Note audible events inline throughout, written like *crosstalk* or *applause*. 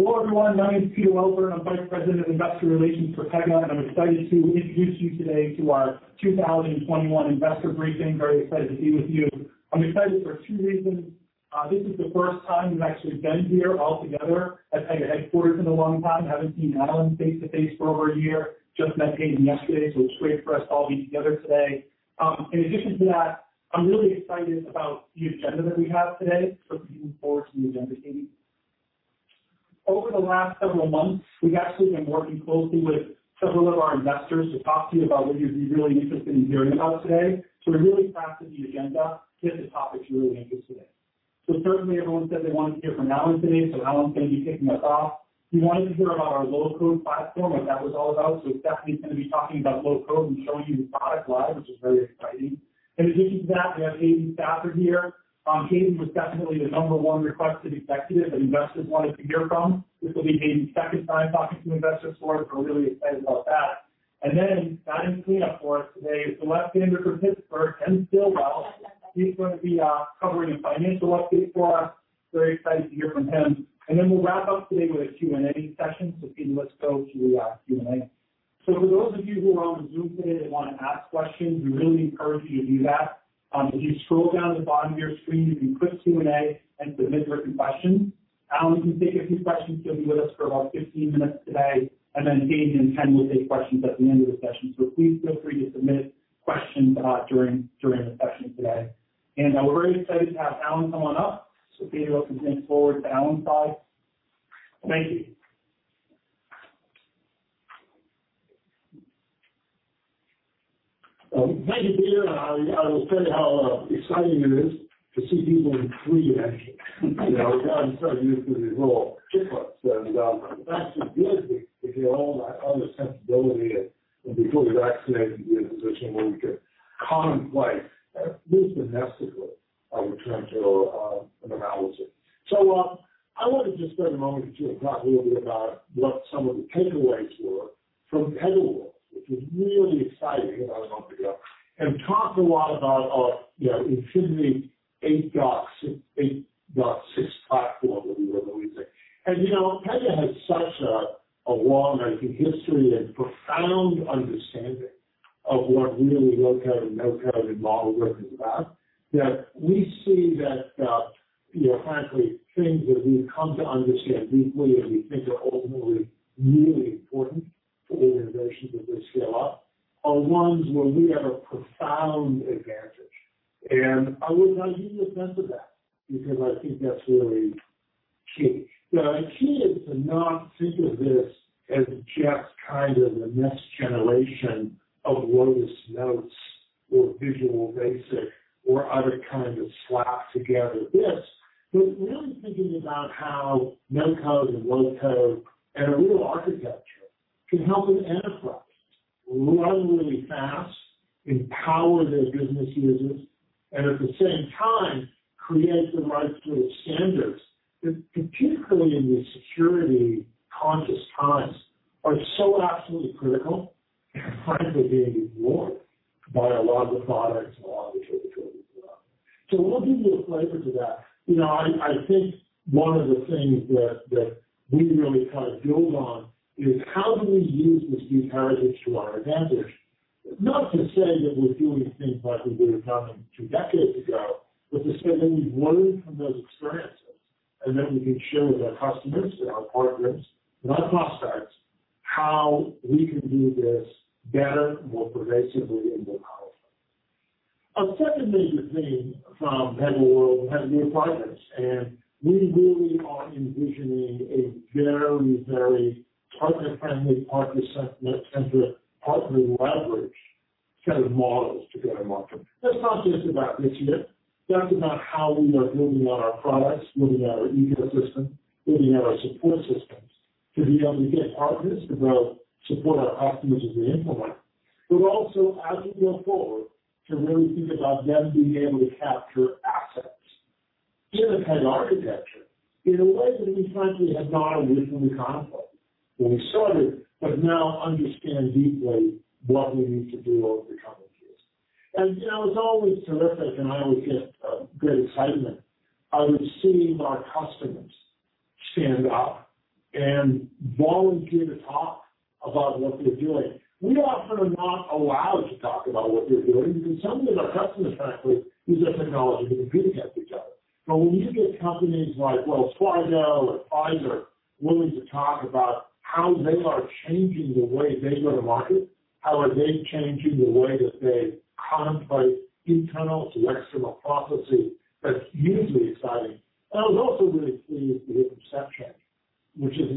Hello everyone, my name is Peter Welburn. I'm Vice President of Investor Relations for Pega. I'm excited to introduce you today to our 2021 Investor Briefing. Very excited to be with you. I'm excited for two reasons. This is the first time we've actually been here altogether at Pega headquarters in a long time, haven't seen Alan face-to-face for over a year. Just met Hayden yesterday. It's great for us to all be together today. In addition to that, I'm really excited about the agenda that we have today, looking forward to the agenda, Hayden. Over the last several months, we've actually been working closely with several of our investors to talk to you about what you'd be really interested in hearing about today. We're really proud of the agenda to hit the topics you're really interested in. Certainly everyone said they wanted to hear from Alan today. Alan's going to be kicking us off. You wanted to hear about our low-code platform and what that was all about. Stephanie's going to be talking about low-code and showing you the product live, which is very exciting. In addition to that, we have Hayden Stafford here. Hayden was definitely the number one requested executive that investors wanted to hear from. This will be Hayden's second time talking to investors for us. We're really excited about that. Don Schuerman for us today, the left-hander from Pittsburgh and Ken Stillwell. He's going to be covering a financial update for us. Very excited to hear from him. We'll wrap up today with a Q&A session. Hayden, let's go to the Q&A. For those of you who are on the Zoom today and want to ask questions, we really encourage you to do that. If you scroll down to the bottom of your screen, you can click Q&A and submit written questions. Alan can take a few questions. He'll be with us for about 15 minutes today, and then Hayden and Ken will take questions at the end of the session. Please feel free to submit questions during the session today. We're very excited to have Alan coming up, so Hayden, why don't we bring forward Alan's slide? Thank you. Thank you, Peter. I will say how exciting it is to see people in 3D. I'm starting to get used to these little pickups that actually did give me all that other sensibility of before we were vaccinated, there was this whole notion of conflict, in terms of an analogy. I want to just spend a moment or two and talk a little bit about what some of the takeaways were from PegaWorld, which was really exciting, hanging on for dear life, and talk a lot about our Infinity 8.6 platform, whatever we say. Pega had such a long, I think, history and profound understanding of what really low-code and no-code and model-driven is about, that we see that, frankly, things that we've come to understand deeply and we think are ultimately really important for the innovations that we scale up are ones where we have a profound advantage. I would argue the benefit of that because I think that's really key. The key is to not think of this as just the next generation of Lotus Notes or Visual Basic or other kinds of slapped-together this, but really thinking about how no-code and low-code and a real architecture can help an enterprise run really fast, empower their business users, and at the same time, create the right sort of standards that, particularly in these security-conscious times, are so absolutely critical and frankly, being ignored by a lot of the products and a lot of the choices out there. We'll give you a flavor to that. I think one of the things that we really try to build on is how do we use this deep heritage to our advantage? Not to say that we're doing things like we would've done them two decades ago, but to say that we've learned from those experiences, and that we can share with our customers and our partners, not prospects, how we can do this better and more pervasively in the cloud. A second major theme from PegaWorld had to do with partners, and we really are envisioning a very partner-friendly, partner-centric, partner-leverage set of models to go to market. That's not just about this year. That's about how we are building out our products, building out our ecosystem, building out our support systems to be able to get partners to both support our customers as we implement, but also as we go forward to really think about them being able to capture assets in a Pega architecture in a way that we frankly have not originally contemplated when we started, but now understand deeply what we need to do over the coming years. It's always terrific, and I always get great excitement out of seeing our customers stand up and volunteer to talk about what they're doing. We often are not allowed to talk about what they're doing because some of our customers, frankly, use our technology in competing categories. When you get companies like Wells Fargo or Pfizer willing to talk about how they are changing the way they go to market, how are they changing the way that they contemplate internal to external processes, that's hugely exciting. It also really clues the perception, which is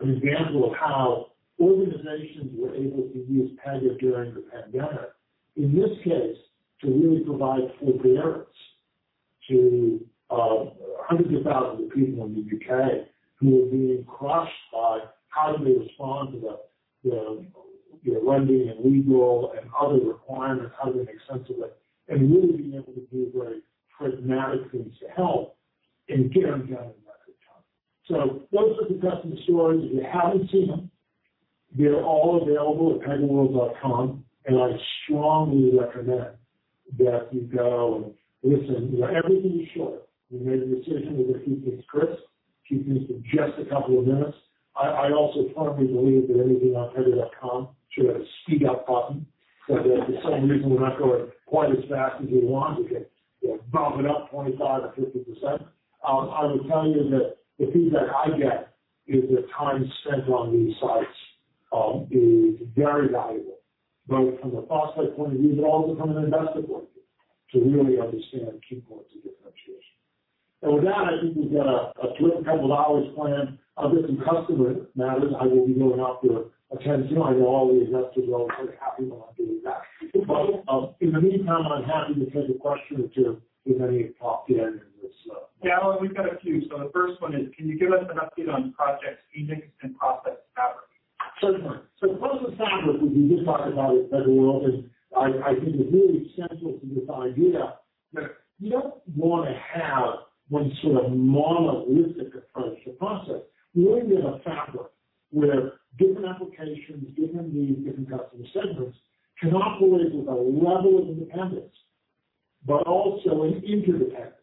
an example of how organizations were able to use Pega during the pandemic, in this case, to really provide forbearance to hundreds of thousands of people in the U.K. who are being crushed by how do they respond to the lending and legal and other requirements, how do they make sense of it, and really being able to do very pragmatic things to help and get them done in record time. Those are the customer stories. If you haven't seen them. They're all available at pegaworld.com, and I strongly recommend that you go and listen. Everything is short. We made the decision to keep things crisp, keep things to just a couple of minutes. I also firmly believe that anything on pega.com should have a speed-up button because for some reason we're not going quite as fast as we want. We could bump it up 25%-50%. I would tell you that the feedback I get is that time spent on these sites is very valuable, both from a prospect point of view, but also from an investor point of view to really understand key points of differentiation. With that, I think we've got a good couple of hours planned. Other than customer matters, I will be going out there at 10:00A.M. You know I always have to know what's happening on the day of that. In the meantime, I'm happy to take a question or two if any pop in. Yeah. We've got a few. The first one is, can you give us an update on Project fnx and Process Fabric? Sure thing. Process Fabric, we did talk about it at PegaWorld. I think it's really central to this idea that we don't want to have one sort of monolithic approach to process. We want to get a fabric where different applications, different needs, different customer segments can operate with a level of independence, but also an interdependence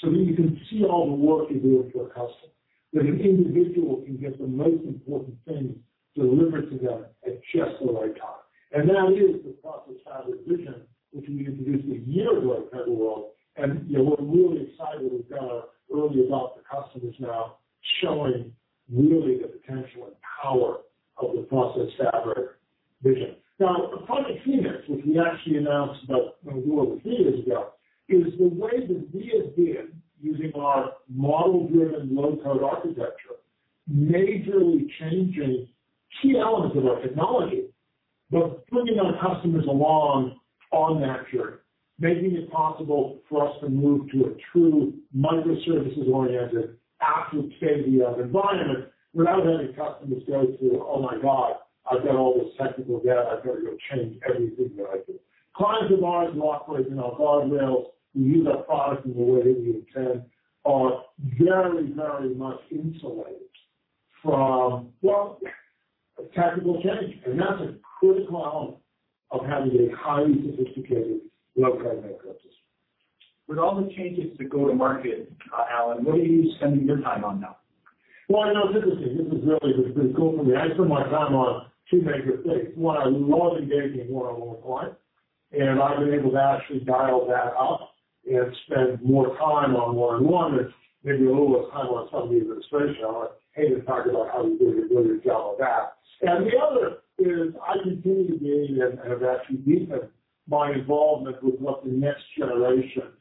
so that you can see all the work you're doing for a customer, that an individual can get the most important thing delivered to them at just the right time. That is the Process Fabric vision, which we introduced a year ago at PegaWorld. We're really excited we've got our early adopter customers now showing really the potential and power of the Process Fabric vision. Project fnx, which we actually announced about a year or two years ago, is the way that we have been using our model-driven low-code architecture, majorly changing key elements of our technology, but bringing our customers along on that journey, making it possible for us to move to a true microservices-oriented application environment without any customer saying to you, "Oh my God, I've got all this technical debt. I've got to go change everything that I do." Clients of ours like Lockheed Martin and Unilever, who use our products in a way that we intend, are very much insulated from technical change. That's a critical element of having a highly sophisticated low-code marketplace. With all the changes that go to market, Alan, what are you spending your time on now? Well, you know, it's interesting. This is really the good goal for me. I spend my time on two major things. One, I'm more engaged than I've ever been before, and I've been able to actually dial that up and spend more time on one-on-one and maybe a little bit of time on some of the administration. I would hate to talk about how we're doing a really good job of that. The other is I continue to be and have actually deepened my involvement with what the next generations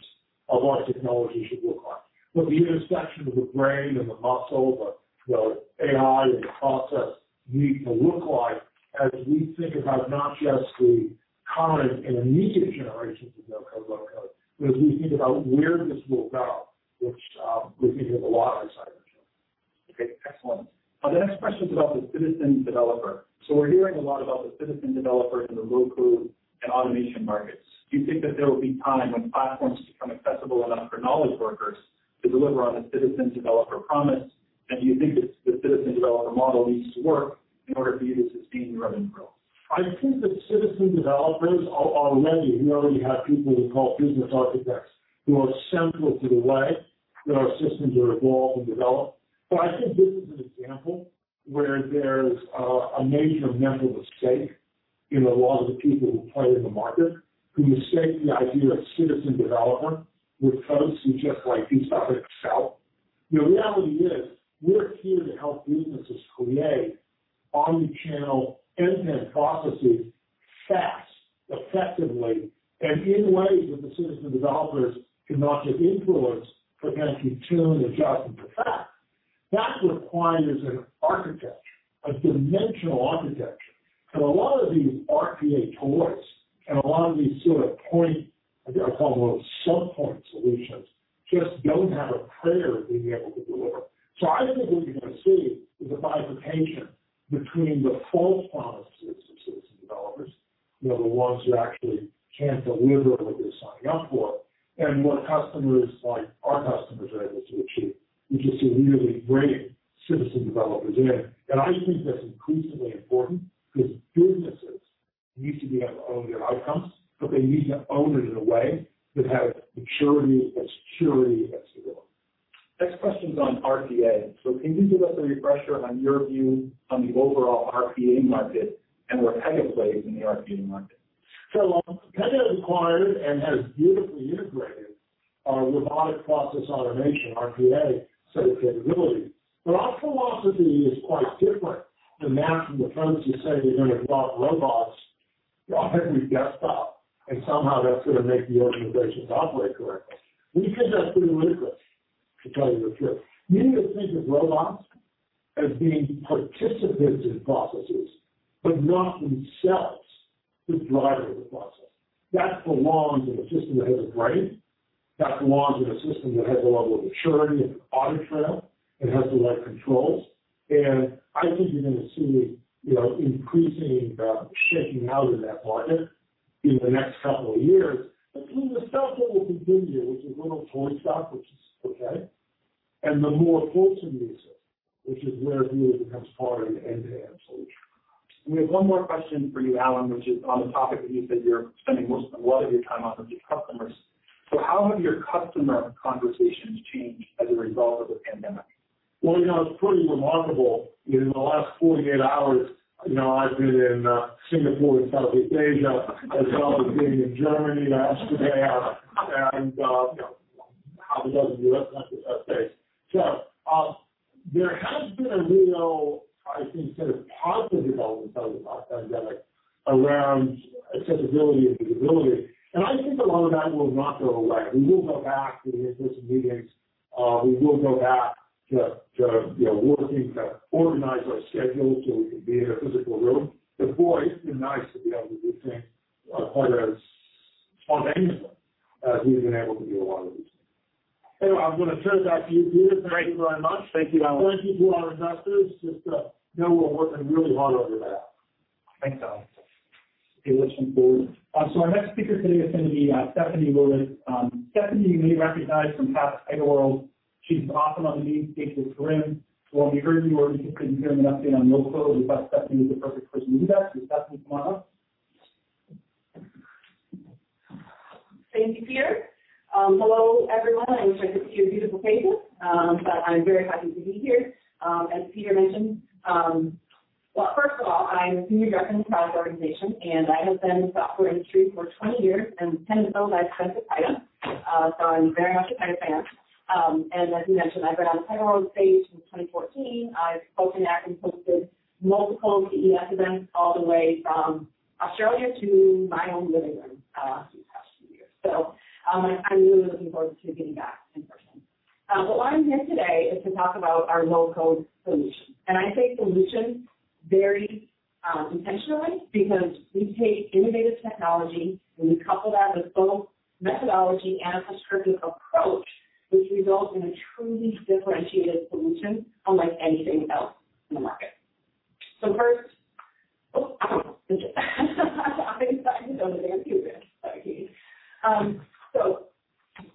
of our technology should look like, what the intersection of the brain and the muscle of AI and process need to look like as we think about not just the current and immediate generations of low-code, no-code, but as we think about where this will go, which we can hear a lot of excitement. Okay, excellent. Our next question is about the citizen developer. We're hearing a lot about the citizen developer in the low-code and automation markets. Do you think that there will be a time when platforms become accessible enough for knowledge workers to deliver on a citizen developer promise? Do you think that the citizen developer model needs to work in order for you to sustain revenue growth? I think that citizen developers are a myth. We already have people we call business architects who are central to the way that our systems are evolved and developed. I think this is an example where there's a major mental mistake in a lot of the people who play in the market, who mistake the idea of citizen developer with folks who just like to stop and shout. The reality is we're here to help businesses create omnichannel end-to-end processes fast, effectively, and in ways that the citizen developers cannot just influence but can actually tune, adjust, and perfect. That's required as an architecture, a dimensional architecture. A lot of these RPA tools and a lot of these sort of point, I guess I'll call them sub-point solutions, just don't have a prayer of being able to deliver. I think what you're going to see is a bifurcation between the false promises of citizen developers, the ones who actually can't deliver what they're signing up for, and what customers like our customers are able to achieve, which is to really bring citizen developers in. I think that's increasingly important because businesses need to be able to own their outcomes, but they need to own it in a way that has maturity and security as they go. Next question is on RPA. Can you give us a refresher on your view on the overall RPA market and where Pega plays in the RPA market? Pega acquired and has beautifully integrated robotic process automation, RPA, capabilities. Our philosophy is quite different than that from the folks who say they're going to drop robots on every desktop, and somehow that's going to make the organizations operate correctly. We think that's pretty ludicrous, to tell you the truth. We need to think of robots as being participants in processes, but not themselves the driver of the process. That belongs in a system that has a brain, that belongs in a system that has a level of maturity, has an audit trail, it has the right controls. I think you're going to see increasing shaking out of that market in the next couple of years between the stuff that we'll continue with, the little toy stuff, which is okay. The more wholesome users, which is where Pega has partnered end-to-end solution. We have one more question for you, Alan, which is on the topic that you said you're spending most of a lot of your time on with your customers. How have your customer conversations changed as a result of the pandemic? Well, it's pretty remarkable. In the last 48 hours, I've been in Singapore in Southeast Asia. I was also in Germany yesterday. I was traveling the U.S. up until yesterday. There has been a real, I think, positive development out of the pandemic around accessibility and visibility. I think a lot of that will not go away. We will go back to in-person meetings. We will go back to working to organize our schedule so we can be in a physical room. Boy, it's been nice to be able to do things quite as spontaneously as we've been able to do a lot of these. Anyway, I'm going to turn it back to you, Peter. Thank you very much. Thank you, Alan. Thank you to our investors. Just know we're working really hard over there. Thanks, Alan. Okay, listen to you. Our next speaker today is going to be Stephanie Louis. Stephanie you may recognize from past PegaWorld. She's awesome on the main stage with Kerim. While we heard you already, if you didn't hear them update on low-code, we thought Stephanie was the perfect person to do that. Stephanie, it's all yours. Thank you, Peter. Hello, everyone. I wish I could see your beautiful faces. I'm very happy to be here. As Peter mentioned, well, first of all, I'm senior director of product organization, and I have been in the software industry for 20 years and 10 of those at Pegasystems. I'm very much a Pega fan. As you mentioned, I've been on PegaWorld stage since 2014. I've spoken at and hosted multiple CES events all the way from Australia to my own living room these past few years. I'm really looking forward to being back in person. What I'm here today is to talk about our low-code solution. I say solution very intentionally because we take innovative technology, and we couple that with both methodology and a prescriptive approach, which results in a truly differentiated solution unlike anything else in the market. First. I didn't know there was going to be this. Sorry.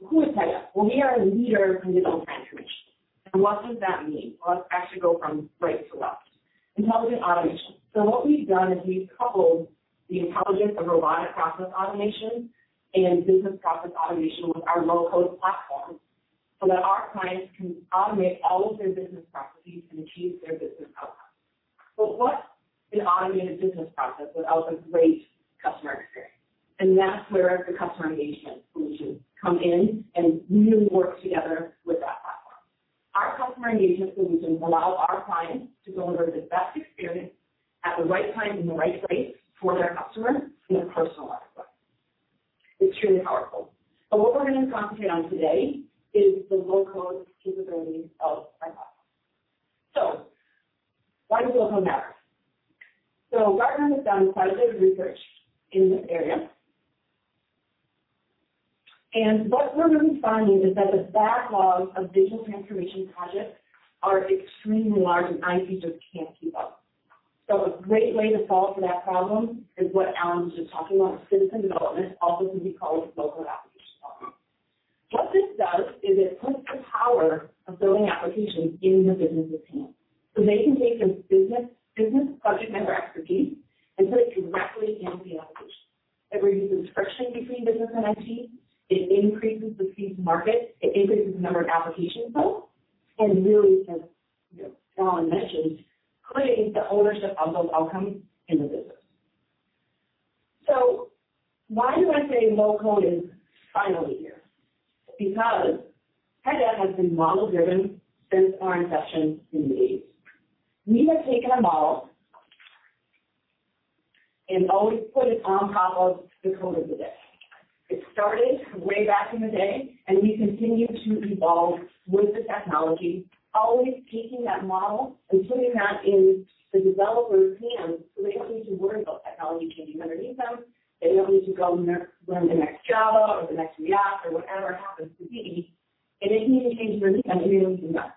Who is Pega? Well, we are a leader in digital transformation. What does that mean? Well, let's actually go from right to left. Intelligent automation. What we've done is we've coupled the intelligence of robotic process automation and business process automation with our low-code platform so that our clients can automate all of their business processes and change their business outcomes. What's an automated business process without a great customer experience? That's where the customer engagement solutions come in and really work together with our platform. Our customer engagement solutions allow our clients to deliver the best experience at the right time, in the right place for their customers in a personalized way. It's truly powerful. What we're going to concentrate on today is the low-code capabilities of our platform. Why does low-code matter? Gartner has done quite a bit of research in this area, and what we're really finding is that the backlog of digital transformation projects are extremely large, and IT just can't keep up. A great way to solve for that problem is what Alan was just talking about, citizen development, also can be called low-code application development. What this does is it puts the power of building applications in the business teams. They can take their business subject matter expertise and put it directly into the application. It reduces friction between business and IT. It increases the speed to market. It increases the number of applications built and really, as Alan mentioned, creates the ownership of those outcomes in the business. Why do I say low-code is finally here? Because Pega has been model-driven since our inception in the 1980s. We have taken a model and always put it on top of the code of the day. It started way back in the day. We continue to evolve with the technology, always taking that model and putting that in the developer's hands so they don't need to worry about that. They don't need to remember these things. They don't need to go learn the next Java or the next React or whatever it happens to be. It is new things released that we always do that.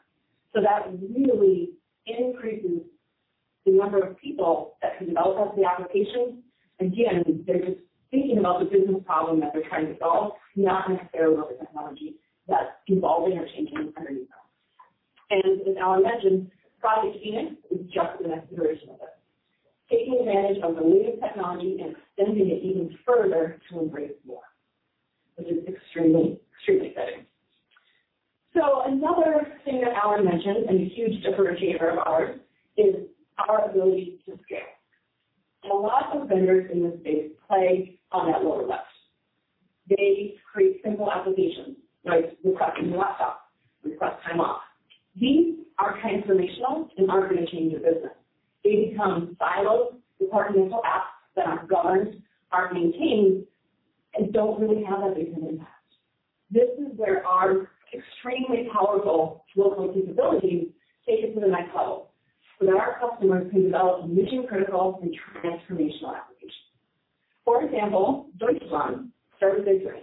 That really increases the number of people that can develop the applications. Again, they're thinking about the business problem that they're trying to solve, not necessarily about the technology that's evolving or changing underneath them. As Alan mentioned, Pega Infinity is just the next version of this, taking advantage of the latest technology and extending it even further to embrace more, which is extremely, truly exciting. Another thing that Alan mentioned, and a huge differentiator of ours, is our ability to scale. Lots of vendors in this space play on that lower left. They create simple applications like request a new laptop, request time off. These are transformational and are going to change the business. They become vital departmental apps that are governed, are maintained, and don't really have a business impact. This is where our extremely powerful low-code capabilities take us to the next level. Now our customers can develop mission-critical and transformational applications. For example, Deutsche Bank started this way.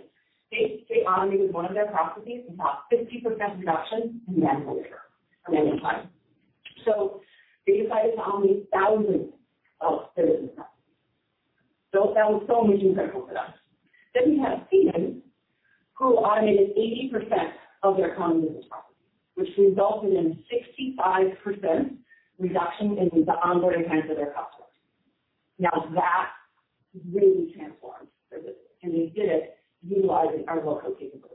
They automated one of their processes and saw 50% reduction in manual labor and in time. They decided to automate thousands of business processes. That was so mission critical to them. You have Siemens, who automated 80% of their cognitive tasks, which resulted in 65% reduction in the onboarding time for their customers. That really transforms service, and they did it utilizing our low-code capabilities.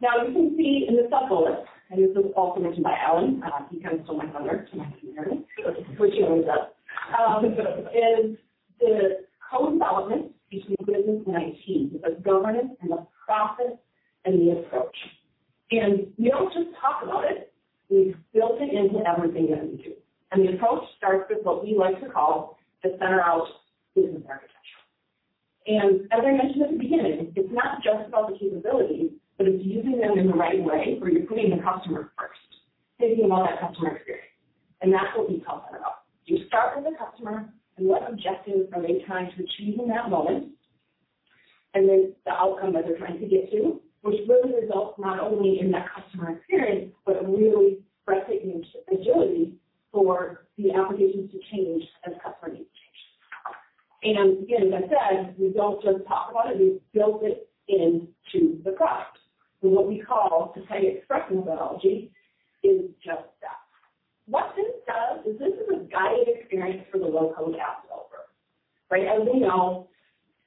You can see in this top list, and this was also mentioned by Alan, he mentioned to me earlier, so appreciate that, is the co-development between business and IT of governance and the process and the approach. We don't just talk about it, we've built it into everything that we do. The approach starts with what we like to call the Center-out Business Architecture. As I mentioned at the beginning, it's not just about the capabilities, but it's using them in the right way where you're putting the customer first, thinking about that customer experience, and that's what we talked about. You start with the customer, and what objectives are they trying to achieve in that moment, and then the outcome that they're trying to get to, which really results not only in that customer experience, but really recognition, agility for the adaptations to change as customer needs change. Again, as I said, we don't just talk about it, we've built it into the product. What we call the Pega Express methodology is just that. What this does is this is a guided experience for the low-code app developer. As we know,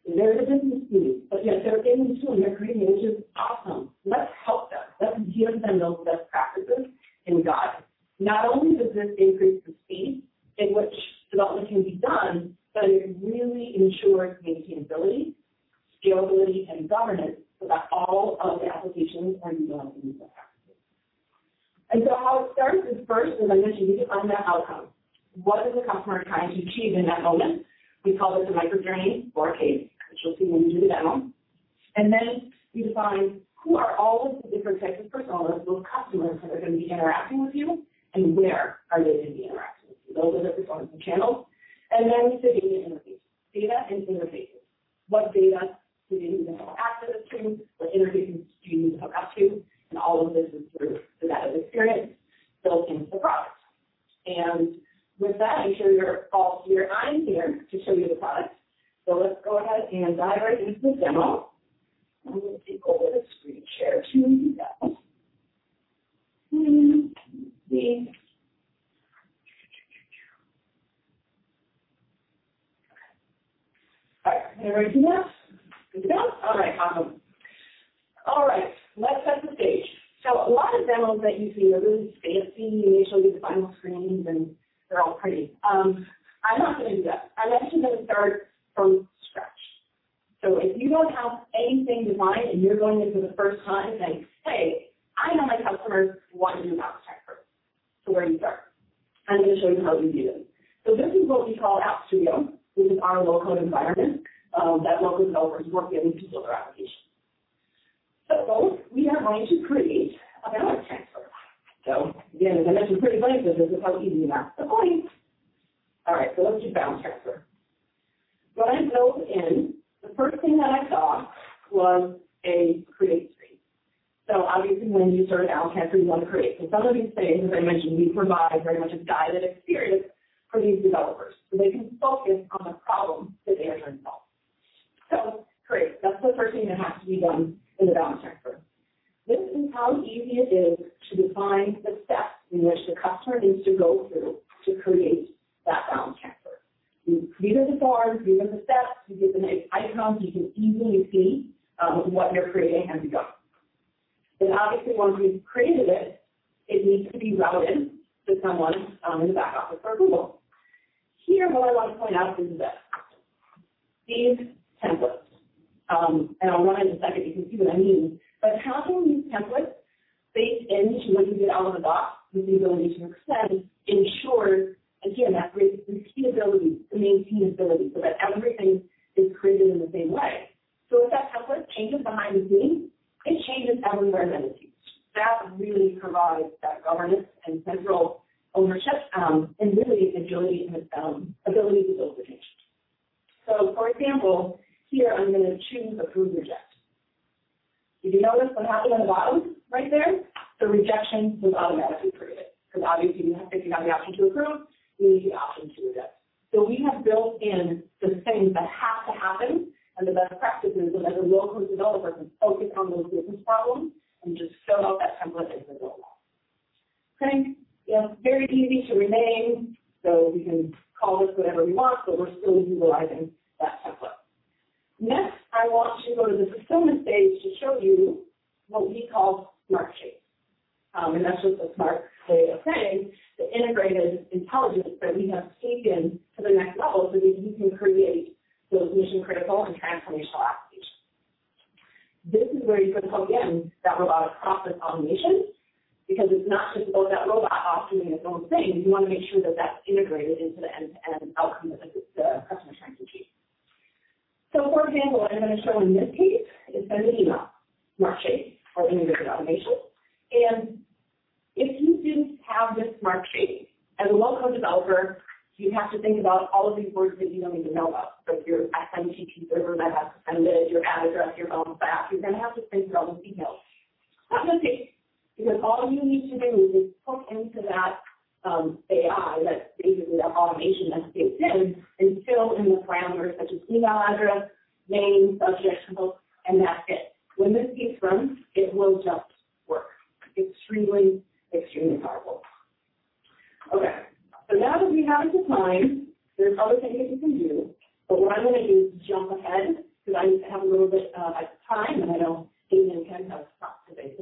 they're the business users. They're getting this tool and they're creating these, which is awesome. Let's help them. Let's give them those best practices and guide them. Not only does this increase the speed in which development can be done, but it really ensures maintainability, scalability, and governance so that all of the applications are developed with best practices. How it starts is first the user needs to define their outcome. What is the customer trying to achieve in that moment? We call this a Microjourney or a case, which you'll see when we do the demo. You define who are all of the different types of personas those customers are going to be interacting with you, and where are they going to be interacting with you. Those are the front end channels. It's the data and interfaces. Data and interfaces. What data do they need to have access to, what interfaces do you need to talk to, and all of this is for that experience built into the product. With that, I'll share your screen. I'm here to show you the product. Let's go ahead and dive right into the demo. Let me take over the screen share. Let me do that. All right. Can everybody see that? There we go. All right. All right, let's set the stage. A lot of demos that you see, they're really fancy. They show you the final screens, and they're all pretty. I'm not going to do that. I'm actually going to start from scratch. If you don't have anything defined and you're going in for the first time and saying, "Hey, I know my customers want a balance transfer." Where do you start? I'm going to show you how easy it is. This is what we call App Studio. This is our low-code environment that low-code developers work in to build their applications. Folks, we are going to create a balance transfer product. Again, I know it's pretty basic. This is how easy it is. That's the point. All right, let's do balance transfer. When I logged in, the first thing that I saw was a Create screen. Obviously, when you start a balance transfer, you want to create. Some of these things, as I mentioned, we provide a very much a guided experience for these developers so they can focus on the problem to be answered and solved. Great, that's the first thing that has to be done in the balance transfer. This is how easy it is to define the steps in which the customer needs to go through to create that balance transfer. You can see there's a bar, you can see the steps, you get the nice icons, you can easily see what you're creating as you go. Obviously, once we've created it needs to be routed to someone in the back office for approval. Here, what I want to point out is this, these templates. I'll highlight in a second, you can see what I mean. By capturing these templates based into what you get out of the box with the ability to extend ensures, again, that reusability and maintainability so that everything is created in the same way. If that template changes behind the scenes, it changes everywhere that it's used. That really provides that governance and central ownership and really agility and ability to build with change. For example, here I'm going to choose Approve/Reject. Did you notice what happened with allowing right there? The Rejection was automatically created because obviously if you have the option to Approve, you need the option to Reject. We have built in the things that have to happen and the best practices so that the low-code developer can focus on those business problems and just fill out that template as they go along. Great. Yeah, very easy to rename, so we can call this whatever we want, but we're still utilizing that template. Next, I want to go to the Persona stage to show you what we call Smart Shapes. That's just a smart way of saying the integrated intelligence that we have taken to the next level so that you can create those mission-critical and transformational applications. This is where you're going to plug in that robotics process automation, because it's not just about that robot off doing its own thing. You want to make sure that that's integrated into the outcome of the customer trying to achieve. For example, what I'm going to show in this case is sending an email, Smart Shapes for integrated automation. If you didn't have this Smart Shape, as a low-code developer, you'd have to think about all of these words that you don't even know about, like your SMTP server method, sender, your address, your global address. You're going to have to think about all these emails. I'm going to say because all you need to do is hook into that AI that's using the automation that's being done and fill in the parameters such as email address, name, subject, and that's it. When this gets run, it will just work. Extremely, extremely powerful. Now that we have it defined, there's other things we can do. What I'm going to do is jump ahead because I just have a little bit of time, and I don't, again, intend to have to stop today.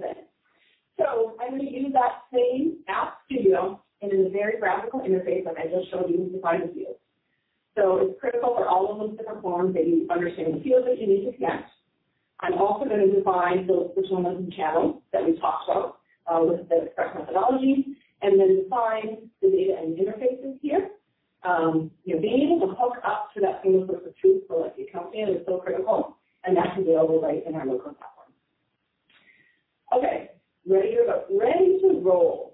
I'm going to use that same App Studio in a very graphical interface that I just showed you to define the fields. It's critical for all of us that are on maybe understanding the fields that you need to connect. I'm also going to define those additional channels that we talked about, with the express technology, and then define the data and interfaces here. Being able to hook up to that single source of truth for your account data is so critical, and that's available right in our low-code platform. Ready to roll.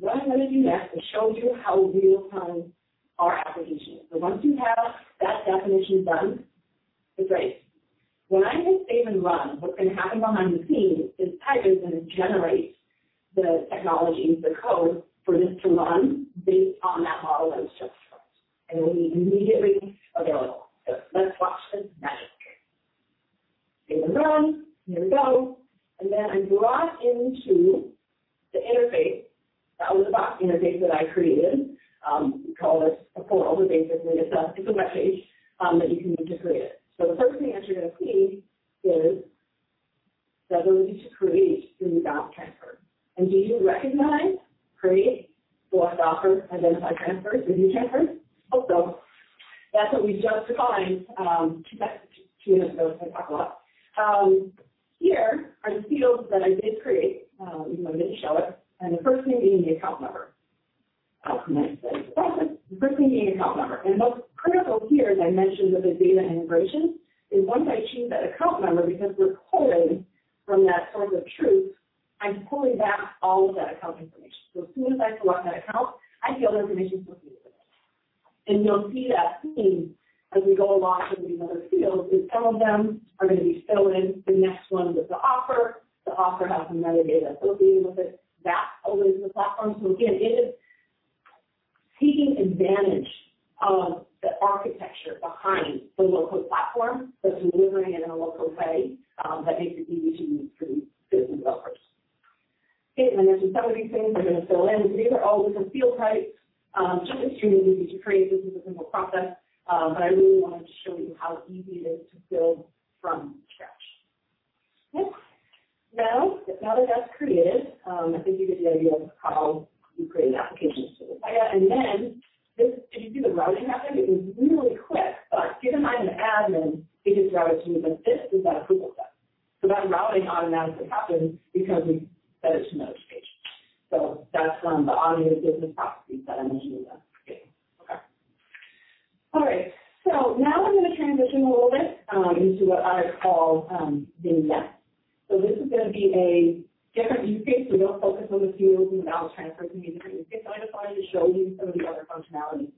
What I'm going to do next is show you how we design our application. Once you have that definition done, it's great. When I hit save and run, what's happening behind the scenes is Pega is going to generate the technology, the code, for this to run based on that model I just showed you, and it'll be immediately available. Let's watch this magic. Save and run. Here we go. Then I'm brought into the interface. That was the app interface that I created. Call this approval. We basically just have to do a message that you need to create. The first thing that you're going to see is the ability to create a new account transfer. Do you recognize create, select offer, identify transfer, review transfer? Hope so. That's what we just defined to those that I talked about. Here are the fields that I did create. We wanted to show it, and the first thing being the account number. How convenient is that? The first thing being the account number. What's critical here, as I mentioned with the data integration, is once I choose that account number, because we're pulling from that source of truth, I'm pulling back all of that account information. As soon as I select that account, I get all the information associated with it. You'll see that theme as we go along through these other fields, is some of them are going to be filled in. The next one is the offer. The offer has metadata associated with it that's pulled into the platform. Again, it is taking advantage of the architecture behind the low-code platform that's delivering in a low-code way that I think is easy to use for business developers. Okay, some of these things are going to fill in. These are all different field types. Super easy to create. This is a simple process. I really wanted to show you how easy it is to build from scratch. Now that that is created, I think you get the idea of how you create applications with AI. If you see the routing happening, it was really quick. Behind the admin, you can see the routing like this is our approval path. That routing automatically happens because we set it to no station. That's one of the automated business processes that I mentioned to you guys. Okay. All right, now I'm going to transition a little bit into what I call the next. This is going to be a different use case. We don't focus on the fields and the account transfer because it gets kind of defined to show you some of the other functionality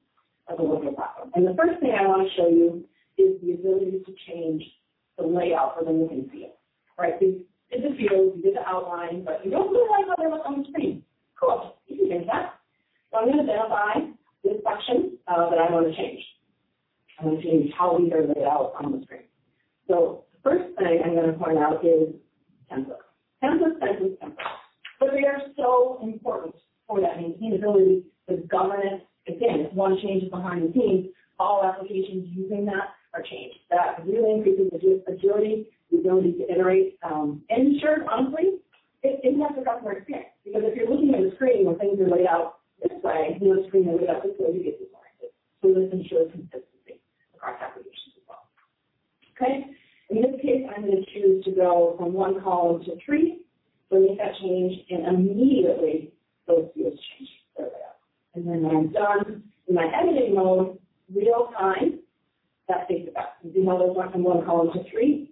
of the low-code platform. The first thing I want to show you is the ability to change the layout within the same field. All right, we did the fields, we did the outline, but we don't know how it's going to look on the screen. Cool. We can change that. I'm going to define this section that I want to change. I want to change how we lay it out on the screen. The first thing I'm going to point out is templates. Templates are important. They are so important. Oh, yeah. I mean, the ability to governance. Again, one change behind the scenes, all applications using that are changed. That really increases agility. We don't need to iterate. Sure, honestly, it has a better fit because if you're looking at a screen where things are laid out this way, and you have a screen laid out this way, it gets disorienting. It ensures consistency across applications as well. Okay. In this case, I'm going to choose to go from one column to three. Save that change, and immediately both fields change to the layout. When I'm done in my editing mode, real time, that takes effect. You can go from one column to three.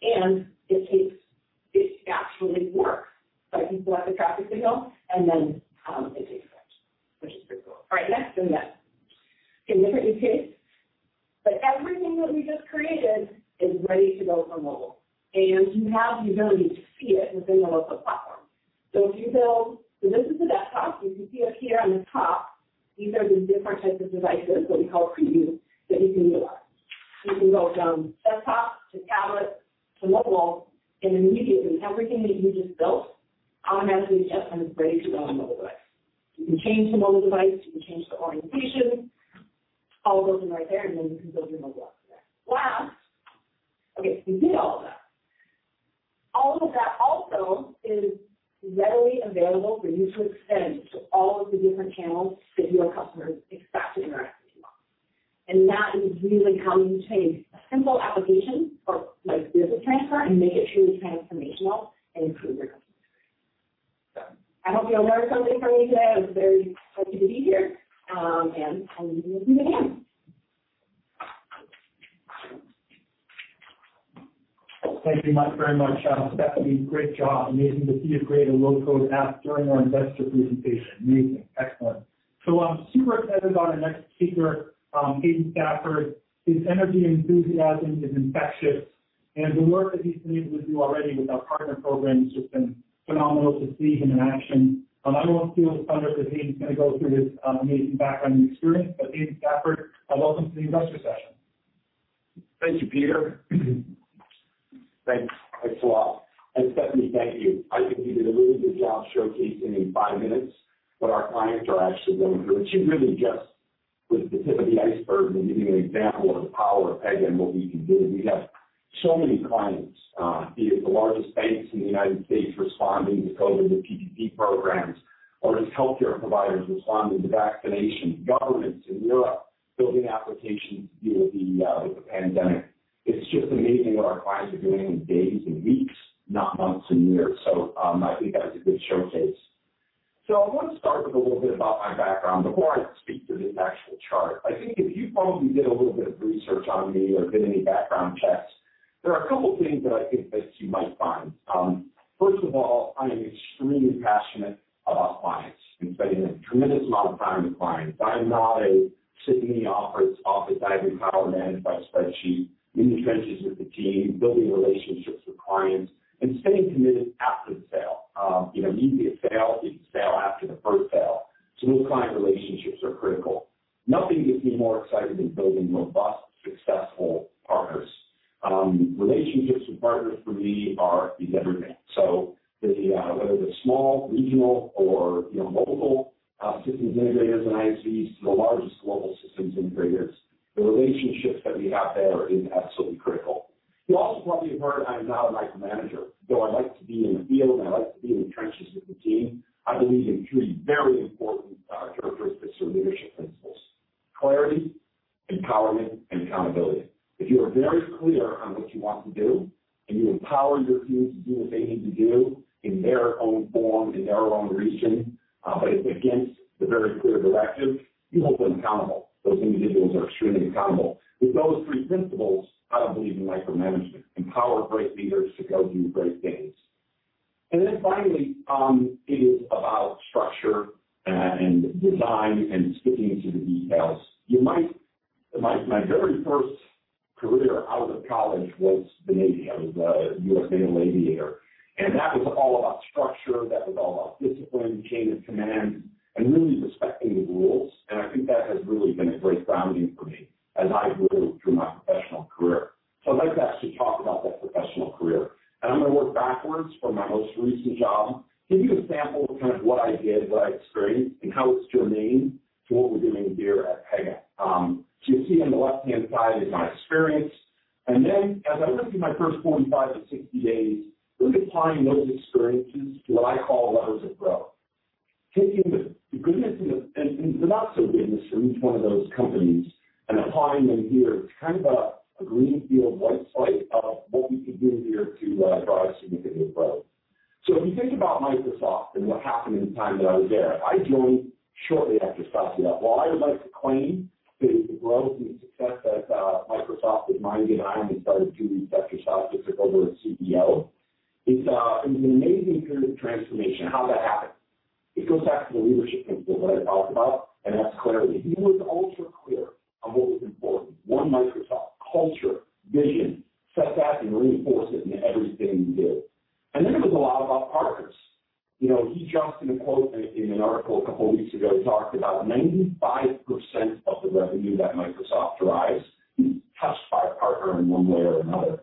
It actually works. People have to drop the signal. It takes effect, which is pretty cool. All right, next. In this case, everything that we just created is ready to go from mobile. You have the ability to see it within the low-code platform. This is the desktop. You can see up here on the top, these are the different types of devices that we help create that you can do that on. You can go from desktop to tablet to mobile. Immediately everything that you just built automatically adjusts and is ready to go on a mobile device. You can change the mobile device, you can change the orientation, all those are right there. You can build your mobile app from there. Last, okay, we did all that. All of that also is readily available for you to extend to all of the different channels that your customers expect in your app. That is really how you can take a simple application for business transfer and make it truly transformational and improve their experience. I hope you learned something from me today. I was very excited to be here. I will leave you with that. Thank you much very much, Stephanie. Great job. Amazing to see a great low-code app during our investor presentation. Amazing. Excellent. I'm super excited about our next speaker, Hayden Stafford. His energy and enthusiasm is infectious, the work that he's been able to do already with our Partner Program has just been phenomenal to see him in action. I won't steal his thunder, he's going to go through his amazing background and experience. Hayden Stafford, welcome to the investor session. Thank you, Peter. Thanks a lot, and certainly thank you. I think you did a really good job showcasing in five minutes what our clients are actually going through, and she really just was the tip of the iceberg in giving an example of the power of Pega and what we can do. We have so many clients, be it the largest banks in the United States responding to COVID with PPP programs, or it's healthcare providers responding to vaccinations, governments in Europe building applications to deal with the pandemic. It's just amazing what our clients are doing in days and weeks, not months and years. I think that's a good showcase. I want to start with a little bit about my background before I speak to this actual chart. I think if you probably did a little bit of research on me or did any background checks, there are a couple of things that I think that you might find. First of all, I am extremely passionate about clients and spending a tremendous amount of time with clients. I am not a sit in the office, ivory tower, managed by spreadsheets. I'm in the trenches with the team, building relationships with clients, and staying committed after the sale. You get a sale, it's a sale after the first sale. So those client relationships are critical. Nothing gets me more excited than building robust, successful partners. Relationships with partners for me are the everything. So whether they're small, regional or multiple systems integrators and ISVs to the largest global system integrators, the relationships that we have there is absolutely critical. You also probably have heard I am not a micromanager, though I like to be in the field and I like to be in the trenches with the team. I believe in three very important characteristics or leadership principles: clarity, empowerment, and accountability. If you are very clear on what you want to do, and you empower your teams to do what they need to do in their own form, in their own region, but it's against the very clear directive, you hold them accountable. Those individuals are extremely accountable. With those three principles, I don't believe in micromanagement. Empower great leaders to go do great things. Finally, it is about structure and design and sticking to the details. My very first career out of college was the Navy. I was a U.S. Naval aviator. That was all about structure, that was all about discipline, chain of command, and really respecting the rules. I think that has really been a great grounding for me as I've moved through my professional career. I'd like to actually talk about that professional career. I'm going to work backwards from my most recent job, give you a example of kind of what I did, what I experienced, and how it's germane to what we're doing here at Pega. You see on the left-hand side is my experience. As I look at my first 45-60 days, really applying those experiences to what I call levers of growth. Taking the goodness and the not so goodness from each one of those companies and applying them here as kind of a green field white space of what we could do here to drive significant growth. If you think about Microsoft and what happened in the time that I was there, I joined shortly after Satya. While I would like to claim the growth and success that Microsoft in my view had started during Satya's takeover as CEO, it's an amazing period of transformation. How did that happen? It goes back to the leadership principle that I talked about, and that's clarity. He was ultra clear on what was important. One Microsoft culture, vision, set that and reinforce it in everything you do. This was a lot about partners. He dropped in a quote in an article a couple of weeks ago, talking about 95% of the revenue that Microsoft derives is touched by a partner in one way or another.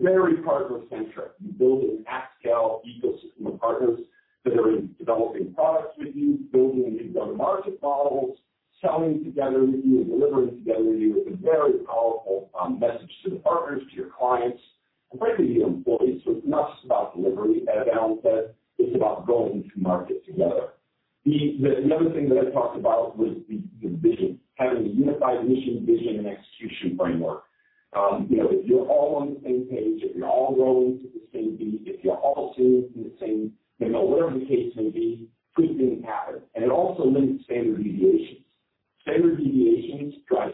Very partner-centric and building at scale ecosystem of partners that are developing products with you, building the go-to-market models, selling together with you, and delivering together with you is a very powerful message to the partners, to your clients, and frankly, to your employees. The other thing that I talked about was the vision, having a unified mission, vision, and execution framework. You're all on the same page, and you're all rowing to the same beat. If you're all tuned to the same, then whatever the case may be, good things happen. It also limits standard deviations. Standard deviations drive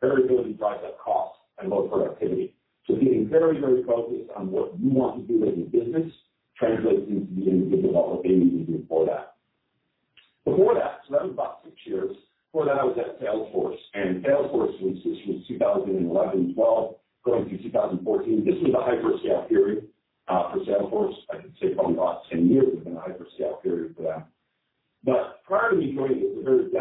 variability drives up cost and low productivity. Being very, very focused on what you want to do as a business translates into the individual behaviors before that. Before that was about six years. Before that, I was at Salesforce, and Salesforce was this was 2011, 2012, going through 2014. This was a hyperscale period for Salesforce. I could say probably about 10 years have been a hyperscale period for them. Prior to me joining, it was a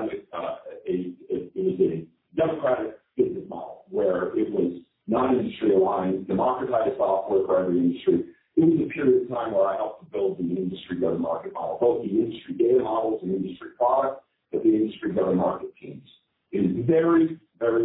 democratic business model, where it was non-industry aligned, democratized software for every industry. It was a period of time where I helped to build the industry go-to-market model, both the industry data models and industry products, but the industry go-to-market teams. It is very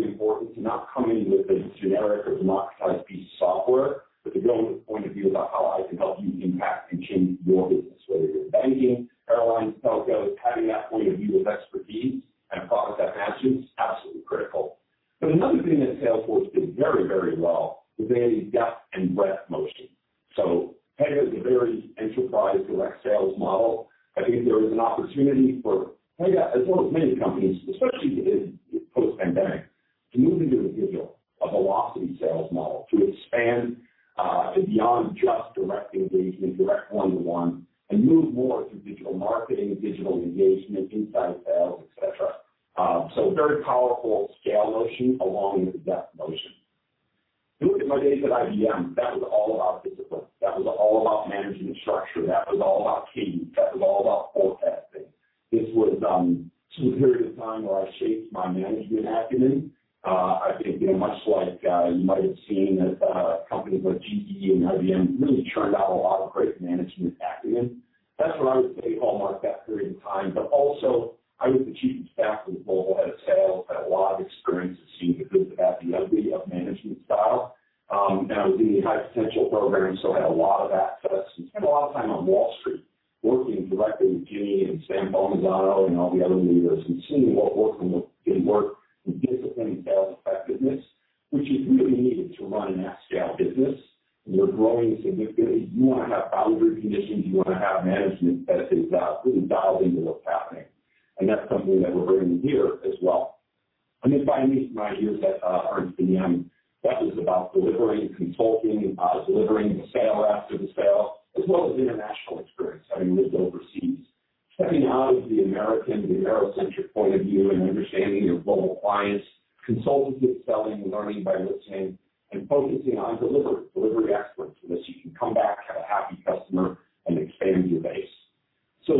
important to not come in with a generic or democratized piece of software, but to build a point of view about how I can help you impact and change your business, whether you're banking, airlines, telcos, having that point of view of expertise and product that matches is absolutely critical. Another thing that Salesforce did very well was they had a depth and breadth motion. Pega is a very enterprise direct sales model. I think there is an opportunity for Pega, as well as many companies, especially in pandemic, moving to a digital, velocity sales model to expand beyond just direct engagement, direct one-to-one, and move more to digital marketing, digital engagement, inside sales, et cetera. Very powerful scale motion along with the depth motion. During my days at IBM, that was all about discipline, that was all about managing the structure, that was all about change, that was all about forecasting. This was a period of time where I shaped my management acumen. I think much like you might have seen that companies like GE and IBM really churned out a lot of great management acumen. That's where I would say hallmark that period of time. Also, I was the Chief of Staff for the Global Head of Sales. I had a lot of experience of seeing the good, the bad, the ugly of management style. I was in the high potential program, so I had a lot of access, and spent a lot of time on Wall Street working directly with Ginni and Sam Palmisano and all the other leaders, and seeing what worked and what didn't work in discipline and sales effectiveness, which is really needed to run a next-scale business. When you're growing significantly, you want to have boundary conditions, you want to have management that is really dialed into what's happening. That's something that we're bringing here as well. Finally, from my years at IBM, that was about delivering consulting, delivering the sale after the sale, as well as international experience, having lived overseas. Stepping out of the American, the narrow-centric point of view and understanding your global clients, consultative selling, learning by listening, and focusing on delivery excellence so that you can come back, have a happy customer, and expand your base.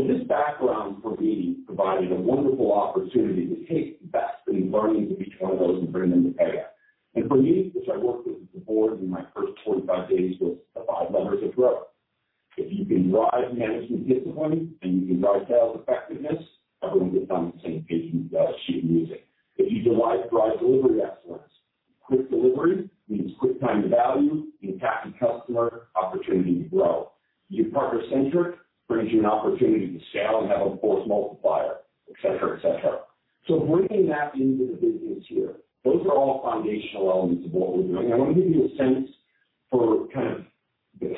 This background for me provided a wonderful opportunity to take the best of each one of those and bring them to Pega. For me, since I worked with the board in my first 25 days, was the five levers of growth. If you can drive management discipline and you can drive sales effectiveness, everyone gets on the same page and you've got a sheet of music. If you drive delivery excellence, quick delivery means quick time to value, you can tap your customer opportunity to grow. If you're partner-centric, brings you an opportunity to scale and have a force multiplier, et cetera. Bringing that into the business here, those are all foundational elements of what we're doing. I want to give you a sense for the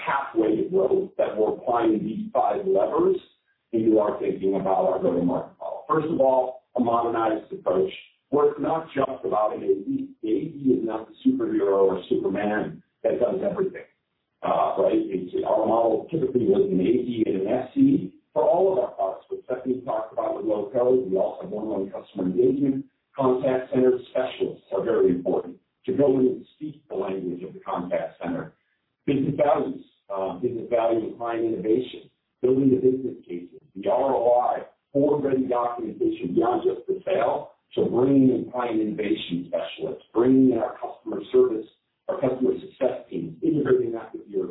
pathway to growth that we're applying these five levers into our thinking about our go-to-market model. First of all, a modernized approach where it's not just about an AE. AE is not the superhero or Superman that does everything. Right? Our model typically is an AE and an SE for all of our products, but especially as we talk about the low-code. We also have one-on-one customer engagement. Contact center specialists are very important to go in and speak the language of the contact center. Business values, business value and client innovation, building the business cases, the ROI, forward-ready documentation beyond just the sale to bringing in client innovation specialists, bringing in our customer service, our customer success team, integrating that with your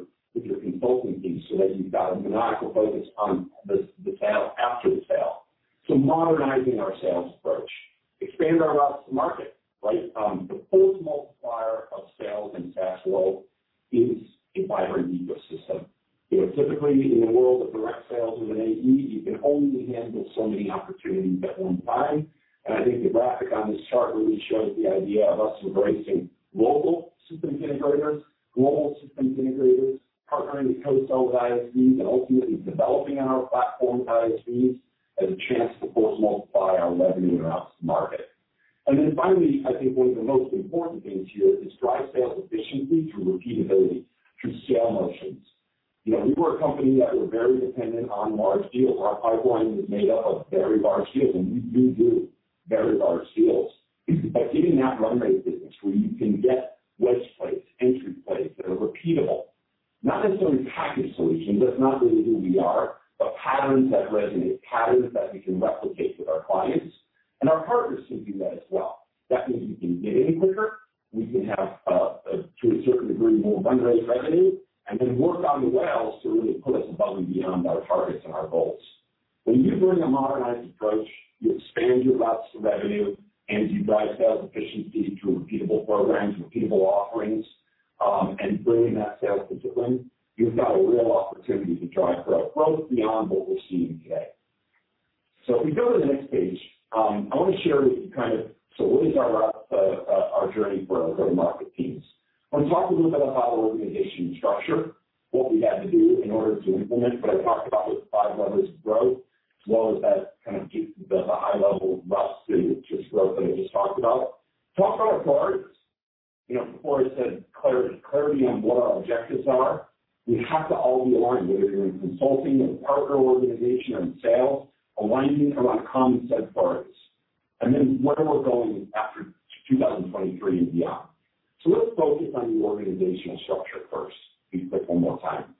consulting team so that you've got a monocular focus on the sale after the sale. Modernizing our sales approach. Expand our routes to market, right? The force multiplier of sales and fast growth is a vibrant ecosystem. Typically, in the world of direct sales with an AE, you can only handle so many opportunities at one time. I think the graphic on this chart really shows the idea of us embracing local system integrators, Global System Integrators, partnering with co-sell ISVs, and ultimately developing on our platform with ISVs as a chance to force multiply our revenue and routes to market. Finally, I think one of the most important things here is drive sales efficiency through repeatability, through scale motions. We were a company that were very dependent on large deals. Our pipeline was made up of very large deals, and we do very large deals. Getting that run-rate business where you can get wedge plays, entry plays that are repeatable, not necessarily packaged solutions. That's not really who we are, but patterns that resonate, patterns that we can replicate with our clients and our partners can do that as well. That means we can get bigger, we can have, to a certain degree, more run-rate revenue, and then work on the wells to really put us above and beyond our targets and our goals. When you bring a modernized approach, you expand your routes to revenue, and you drive sales efficiency through repeatable programs, repeatable offerings, and bringing that sales discipline, you've got a real opportunity to drive growth both beyond what we're seeing today. If we go to the next page, I want to share with you. We laid out our journey for our go-to-market piece. I want to talk a little bit about our organization structure, what we had to do in order to implement what I talked about with five levers of growth, as well as that kind of gives you the high-level rough figures of growth that I just talked about. I want to talk about our parts, clarity on what our objectives are. We have to all be orientated in consulting, in partner organization, in sales, aligning around common set of parts. Where we're going after 2023 and beyond. Let's focus on the organizational structure first, be quick one more time.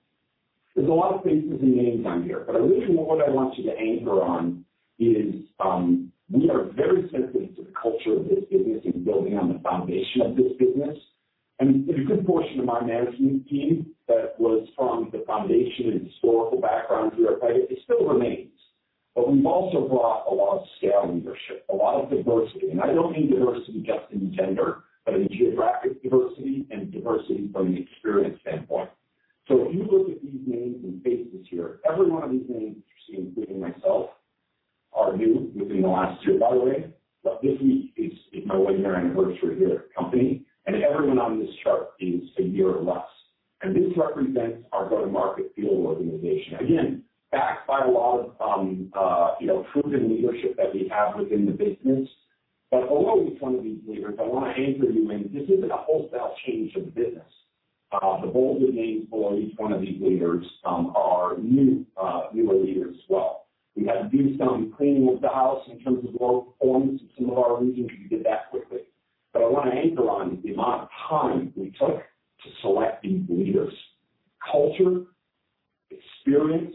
There's a lot of faces and names on here, but really what I want you to anchor on is we are very centered to the culture of this business and building on the foundation of this business. A good portion of my management team that was from the foundation and historical background here at Pegasystems, it still remains. We've also brought a lot of scale leadership, a lot of diversity. I don't mean diversity just in gender, but in geographic diversity and diversity from an experience standpoint. If you look at these names and faces here, every one of these names you see, including myself, are new within the last year, by the way. This is no way their anniversary here at the company, and everyone on this chart is one year or less. This represents our go-to-market field organization. Again, backed by a lot of proven leadership that we have within the business. For each one of these leaders, I want to anchor you in, this isn't a wholesale change of the business. The goals and aims for each one of these leaders are new leader as well. We had to do some cleaning of the dials in terms of role points in some of our regions. We did that quickly. I want to anchor on the amount of time we took to select these leaders. Culture, experience,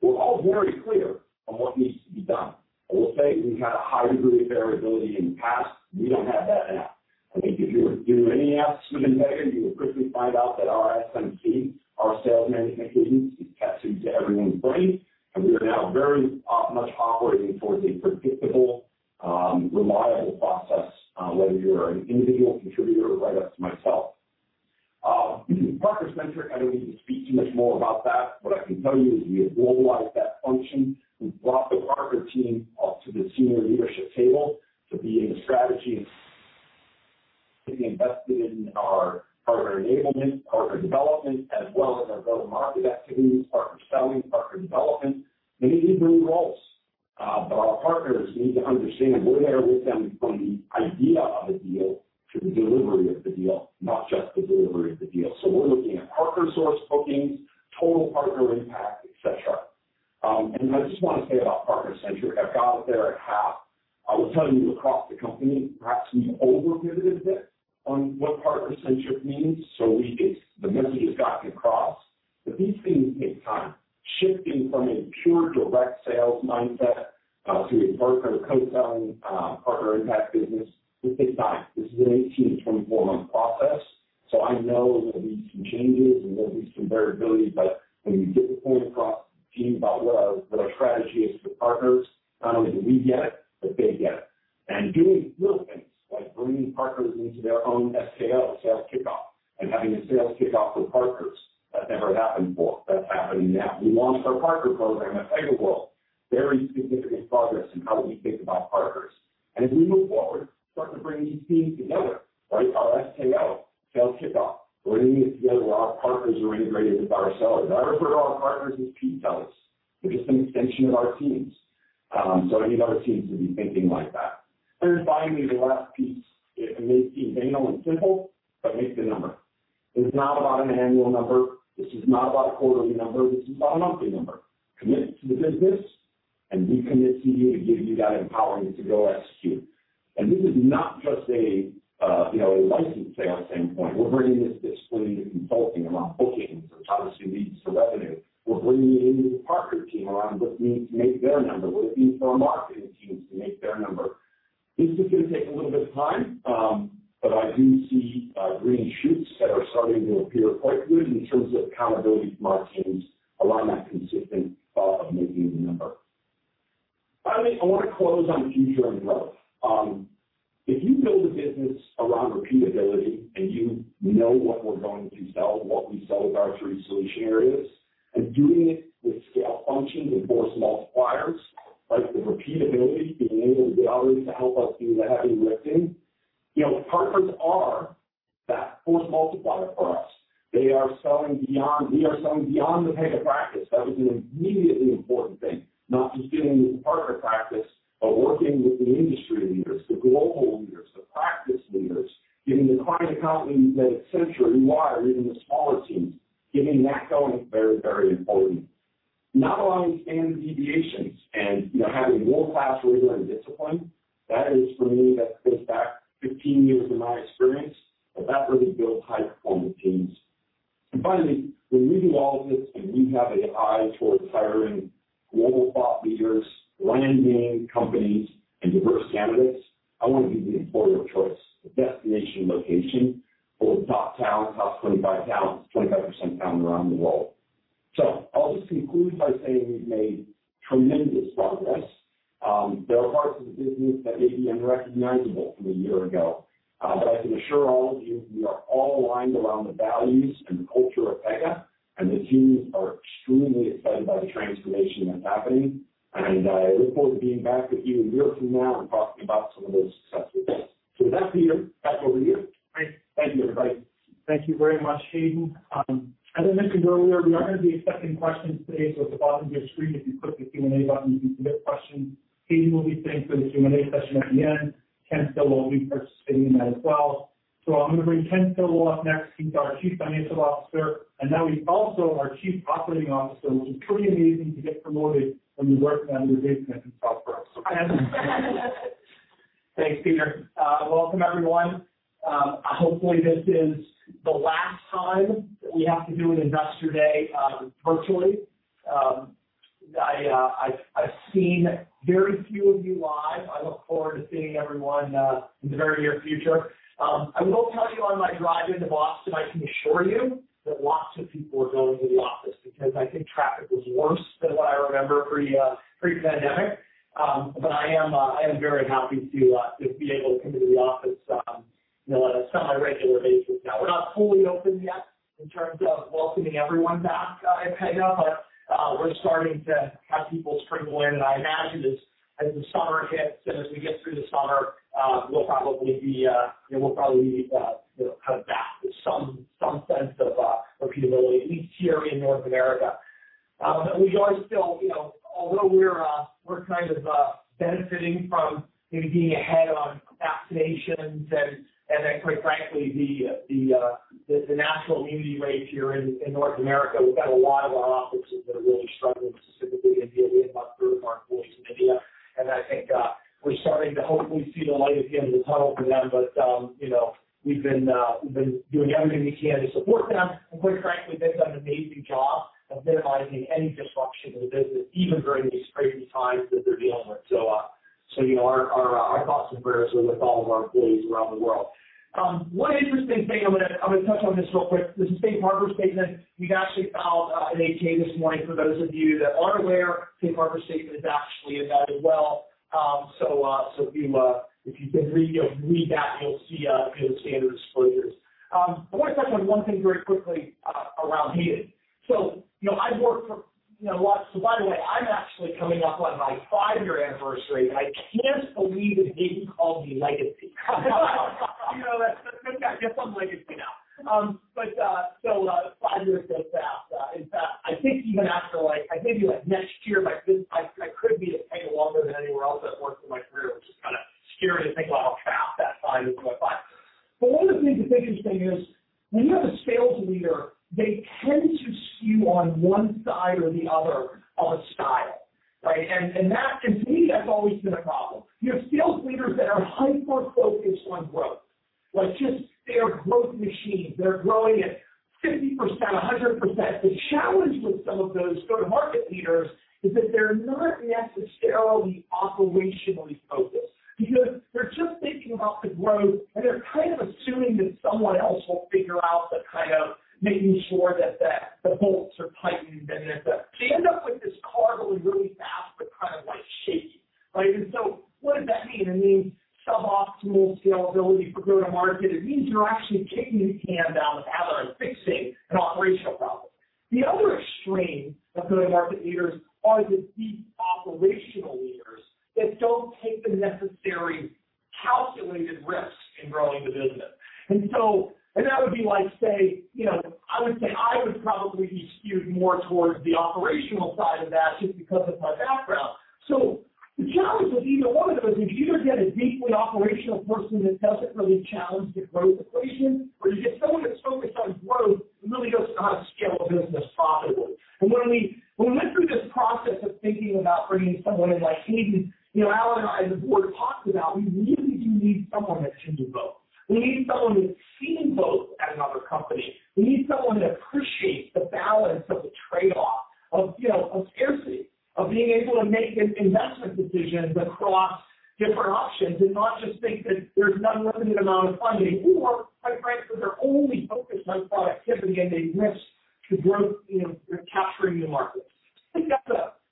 we're all very clear on what needs to be done. I will say we had a high degree of variability in the past. We don't have that now. I think if you were to do an audit, you would quickly find out that our SMC, our sales management cadence, is catching to everyone's brain, and we are now very much operating towards a predictable, reliable process, whether you're an individual contributor right up to myself. Partner-centric, I don't need to speak too much more about that. What I can tell you is we have globalized that function. We've brought the partner team up to the senior leadership table to be in strategy invested in our partner enablement, partner development, as well as our go-to-market activities, partner selling, partner development, many new roles. Our partners need to understand we're there with them from the idea of a deal to the delivery of the deal, not just the delivery of the deal. We're looking at partner source bookings, total partner impact, et cetera. I just want to say about partner centric, I got up there on behalf. I was telling you across the company, perhaps we over-communicated a bit on what partner centric means, so the message has gotten across. These things take time. Shifting from a pure direct sales mindset to a partner co-selling, partner impact business, this takes time. This is an 18 to 24-month process. I know there'll be some changes and there'll be some variability, but when we get the point across to the team about what our strategy is for partners, not only do we get it, but they get it. Doing real things like bringing partners into their own SKOs, sales kickoffs, and having a sales kickoff for partners. That never happened before. That's happening now. We launched our Partner Program at PegaWorld. Very significant progress in how we think about partners. As we move forward, starting to bring these teams together, right? Our SKO, sales kickoff. Bringing it together, our partners are integrated with our sellers. Not every one of our partners is resellers. They're just an extension of our teams. I need our teams to be thinking like that. Finally, the last piece. It may seem banal and simple, but make the number. This is not about an annual number. This is not about a quarterly number. This is about a monthly number. Commit to the business, and we commit to you to give you that empowerment to go execute. This is not just a license sales standpoint. We're bringing this discipline to consulting around bookings or possible leads to revenue. We're bringing it into the partner team around what they need to make their number, what they need for our marketing teams to make their number. This is going to take a little bit of time, but I do see green shoots that are starting to appear quite good in terms of accountability from our teams around that consistent thought of making the number. Finally, I want to close on two terms of growth. If you build a business around repeatability and you know what we're going to sell, what we sell is our three solution areas, and doing it with scale functions and force multipliers, like the repeatability, the enable and the values to help us do the heavy lifting. Partners are that force multiplier for us. We are selling beyond the Pega practice. That is an immediately important thing. Not just getting the partner practice, but working with the industry leaders, the global leaders, the practice leaders, getting the client account leads at Accenture, Wipro, even the smaller teams. Getting that going is very important. Not allowing standard deviations and having world-class rigor and discipline. That is, for me, that goes back 15 years in my experience, that really builds high-performance teams. Finally, when we do all this and we have an eye towards hiring global thought leaders, leading name companies, and diverse candidates, I want to be the employer of choice, the destination location for the top talent, top 25% talent around the world. I'll just conclude by saying we've made tremendous progress. There are parts of the business that may be unrecognizable from a year ago. I can assure all of you, we are all aligned around the values and culture of Pega, the teams are extremely excited by the transformation that's happening. I look forward to being back with you a year from now and talking about some of those successes. With that, Peter, back over to you. Great. Thank you, Hayden. Thank you very much, Hayden. As I mentioned earlier, we are going to be accepting questions today. At the bottom of your screen, if you click the Q&A button, you can submit questions. Hayden will be staying for the Q&A session at the end. Ken Stillwell will be participating as well. I'm going to bring Ken Stillwell up next. He's our Chief Financial Officer, and now he's also our Chief Operating Officer, which is pretty amazing to get promoted when you work from the basement of software. Thanks, Peter. Welcome, everyone. Hopefully, this is the last time that we have to do an Investor Day virtually. I've seen very few of you live. I look forward to seeing everyone in the very near future. I will tell you on my drive into Boston, I can assure you that lots of people are going to the office because I think traffic was worse than what I remember pre-pandemic. I am very happy to be able to come to the office on a semi-regular basis now. We're not fully open yet in terms of welcoming everyone back at Pega, we're starting to have people trickle in. I imagine as the summer hits and as we get through the summer, we'll probably be coming back with some sense of a capability, at least here in North America. We are still, although we're kind of benefiting from maybe being ahead on vaccinations and quite frankly, the natural immunity rate here in North America, we've got a lot of our offices that are really struggling, specifically India, Myanmar, Peru. *inaudible* I think we're starting to hopefully see the light at the end of the tunnel for them. We've been doing everything we can to support them. Quite frankly, they've done an amazing job of minimizing any disruption to the business, even during these crazy times that they're dealing with. Our thoughts and prayers are with all of our employees around the world. One interesting thing, I'm going to touch on this real quick. This is a proxy statement. We've actually filed an 8-K this morning, for those of you that aren't aware. Same proxy statement is actually in that as well. If you can read that, you'll see a standard disclosure. I want to touch on one thing very quickly around Hayden. By the way, I'm actually coming up on my five-year anniversary. I can't believe it didn't call me legacy. I guess I'm legacy now. Five years goes fast. In fact, I think even after next year, I could be at anyplace than anywhere else I've worked in my career, which is kind of scary to think about the fact that five years went by. One of the things, the biggest thing, is when you have a sales leader, they tend to skew on one side or the other on style, right? To me, that's always been a problem. You have sales leaders that are hyper-focused on growth. They are growth machines. They're growing at 50%, 100%. The challenge with some of those go-to-market leaders is that they're not necessarily operationally focused because they're just thinking about the growth, and they're assuming that someone else will figure out the making sure that the bolts are tightened and business. You end up with this car going really fast but kind of shaky. What does that mean? It means suboptimal scalability for go-to-market. It means you're actually kicking the can down the road, fixing operational problems. The other extreme of go-to-market leaders are the deep operational leaders that don't take the necessary calculated risks in growing the business. That would be like, say, I would say I would probably be skewed more towards the operational side of that just because of my background. The challenge with either one of those is you either get a deeply operational person that doesn't really challenge the growth equation, or you get someone that's focused on growth who really doesn't know how to scale the business properly. You know what I mean? When we went through this process of thinking about bringing someone in like Hayden, Alan and I, and the board talked about, we really do need someone that can do both. We need someone that's seen both at another company. We need someone that appreciates the balance of the trade-off of scarcity, of being able to make investment decisions across different options and not just think that there's an unlimited amount of funding or quite frankly, they're only focused on productivity and they risk the growth, they're capturing new markets.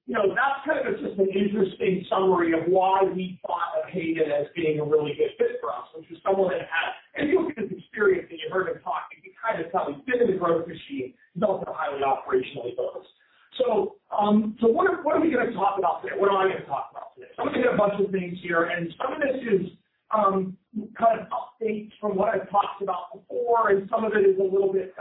That's kind of just an interesting summary of why we thought of Hayden as being a really good fit for us, which is someone that anyone who's experienced him, you've heard him talk, you can tell he's been in the growth machine, built a highly operational growth. What are we going to talk about today? What am I going to talk about today? I'm going to hit a bunch of things here, and some of this is updates from what I've talked about before, and some of it is a little bit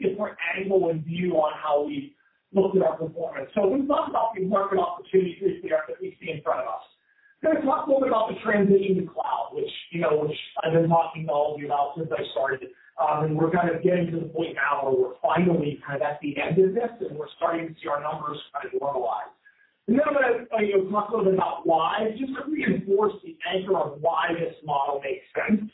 different angle and view on how we look at our performance. We've talked about the market opportunities we have that we see in front of us. We're going to talk a little bit about the transition to cloud, which I've been talking to all of you about since I started. We're getting to the point now where we're finally at the end of this, and we're starting to see our numbers grow a lot. We're going to talk a little bit about why, just reinforce the anchor of why this model makes sense,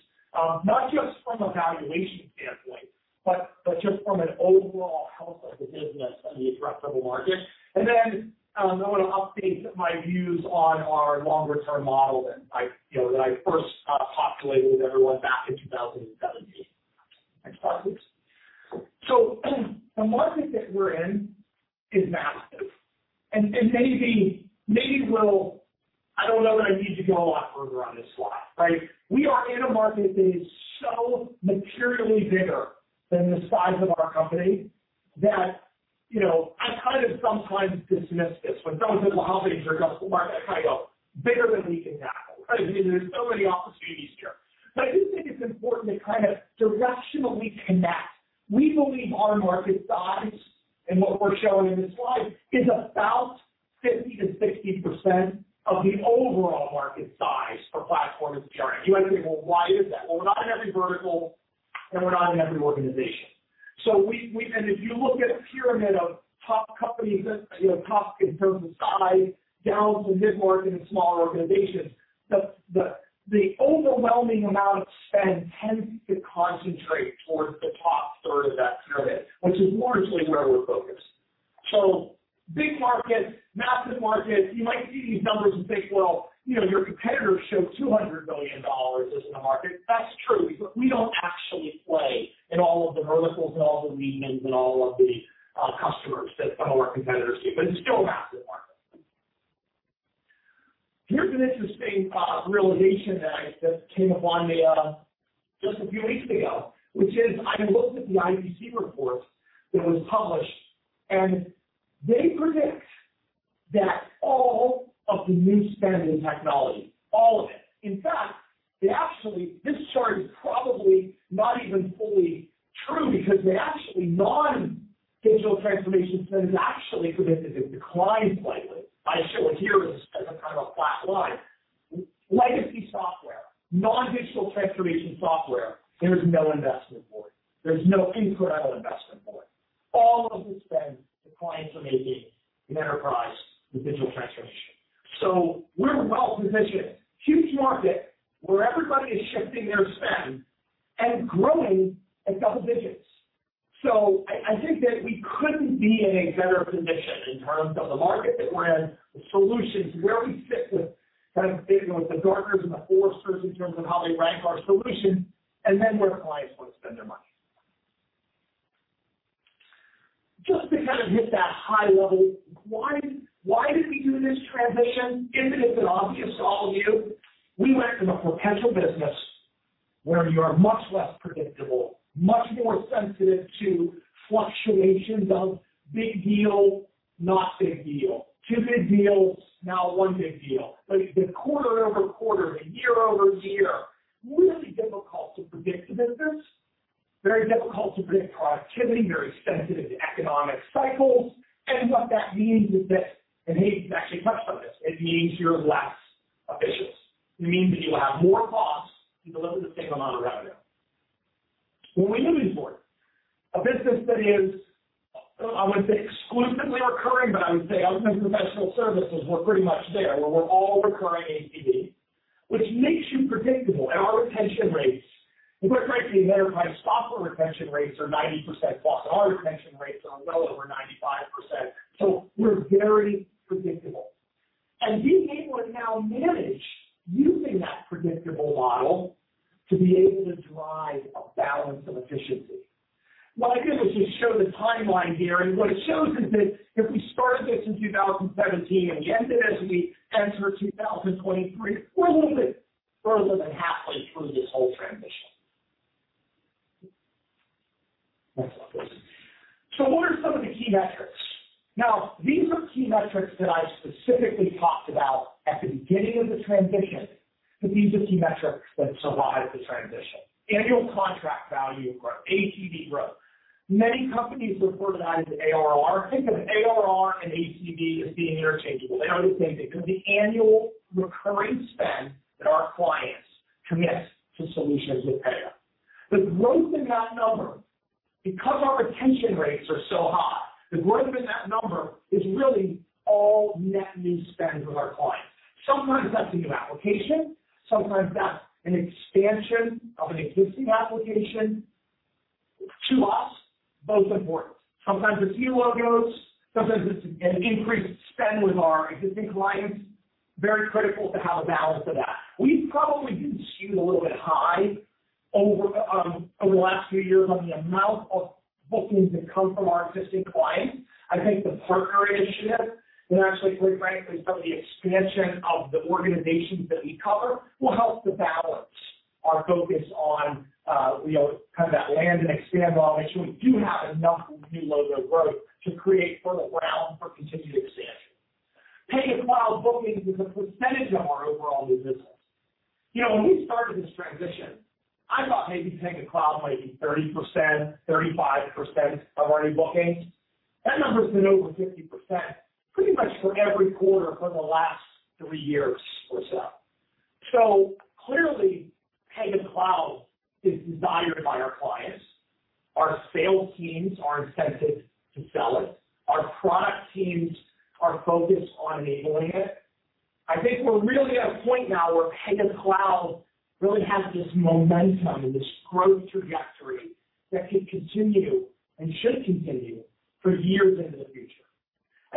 not just from a valuation standpoint, but just from an overall health of the business and the addressable market. Then I'm going to update my views on our longer-term model that I first populated with everyone back in 2017. Next slide, please. The market that we're in is massive, and maybe I don't know that I need to go a lot further on this slide, right? We are in a market that is so materially bigger than the size of our company that I sometimes dismiss this. When folks in the lobby here go, "The market," I go, "Bigger than we can handle." There's so many opportunities here. I do think it's important to directionally connect. We believe our market size, and what we're showing in this slide, is about 50% to 60% of the overall market size for platform engineering. You might say, "Well, why is that?" Well, we're not in every vertical, and we're not in every organization. If you look at a pyramid of top companies in terms of size, down to the mid-market and smaller organizations, the overwhelming amount of spend tends to concentrate towards the top third of that pyramid, which is largely where we're focused. Big market, massive market. You might see these numbers and think, well, your competitors show $200 million as the market. That's true. We don't actually play in all of the verticals and all the mediums and all of the customers that some of our competitors do. It's still a massive market. Here's an interesting realization that came upon me just a few weeks ago, which is I looked at the IDC report that was published, and they predict that all of the new spend in technology, all of it. In fact, this chart is probably not even fully true because actually non-digital transformation spend is actually predicted to decline slightly. I show it here as a kind of flat line. Legacy software, non-digital transformation software, there's no investment for it. There's no incremental investment for it. All of the spend that clients are making in enterprise is digital transformation. We're well-positioned, huge market, where everybody is shifting their spend and growing at double digits. I think that we couldn't be in a better position in terms of the market that we're in, the solutions, where we fit with the Gartner and the Forrester in terms of how they rank our solution, and then where clients want to spend their money. Just to hit that high level. Why did we do this transition? Isn't it obvious to all of you? We went from a perpetual business where you are much less predictable, much more sensitive to fluctuations of big deal, not big deal. Too big deal, not one big deal. Quarter over quarter, year over year, really difficult to predict the business, very difficult to predict productivity, very sensitive to economic cycles. What that means is that, and Hayden actually touched on this, it means you're less efficient. It means that you have more costs to deliver the same amount of revenue. We knew we needed more. A business that is, I wouldn't say exclusively recurring, but I would say ultimately professional services, we're pretty much there, where we're all recurring ACV, which makes you predictable. Our retention rates, we went right to the head of time. Software retention rates are 90%+. Our retention rates are well over 95%. We're very predictable. We aim to now manage using that predictable model to be able to drive a balance of efficiency. What I did was just show the timeline here, and what it shows is that if we started it in 2017 and we end it as we enter 2023, we're a little bit further than halfway through this whole transition. Next slide, please. What are some of the key metrics? Now, these are key metrics that I specifically talked about at the beginning of the transition. These are key metrics that survived the transition. Annual contract value growth, ACV growth. Many companies refer to that as ARR. Think of ARR and ACV as being interchangeable. They are the same thing. They're the annual recurring spend that our clients commit to solutions with Pega. The growth in that number, because our retention rates are so high, the growth in that number is really all net new spend with our clients. Sometimes that's a new application, sometimes that's an expansion of an existing application. To us, both important. Sometimes it's new logos, sometimes it's an increased spend with our existing clients. Very critical to have a balance of that. We probably do skew a little bit high over the last few years on the amount of bookings that come from our existing clients. I think the partnership, and actually we've written about the expansion of the organizations that we cover, will help to balance our focus on that land and expand model. Make sure we do have enough new logo growth to create fertile ground for continued expansion. Pega Cloud bookings as a percentage of our overall business. When we started this transition, I thought maybe Pega Cloud might be 30%, 35% of our bookings. That number's been over 50% pretty much for every quarter for the last three years or so. Clearly, Pega Cloud is desired by our clients. Our sales teams are incented to sell it. Our product teams are focused on enabling it. I think we're really at a point now where Pega Cloud really has this momentum and this growth trajectory that could continue and should continue for years into the future.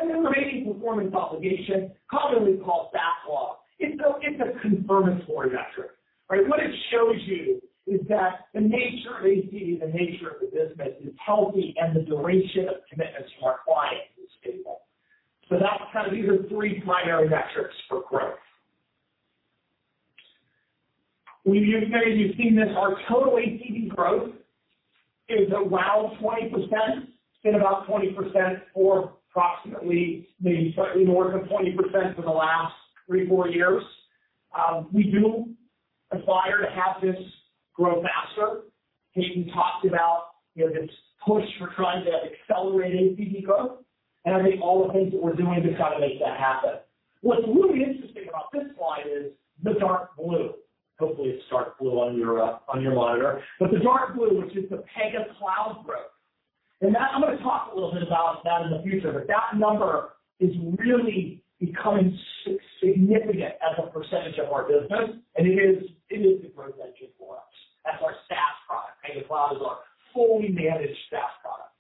Remaining performance obligations, commonly called backlog. It's a confirmatory metric, right? What it shows you is that the nature of ACV, the nature of the business is healthy, and the duration of commitments from our clients is stable. That's kind of the three primary metrics for growth. We just made you've seen that our total ACV growth is around 20%, been about 20% for approximately maybe slightly more than 20% for the last three, four years. We do aspire to have this grow faster. Hayden talked about this push for trying to accelerate ACV growth, and I think all the things that we're doing to try to make that happen. What's really interesting about this slide is the dark blue, which is the Pega Cloud growth. Hopefully, it's dark blue on your monitor. I'm going to talk a little bit about that in the future. That number is really becoming significant as a percentage of our business, and it is the growth engine for us. That's our SaaS product. Pega Cloud is our fully managed SaaS product.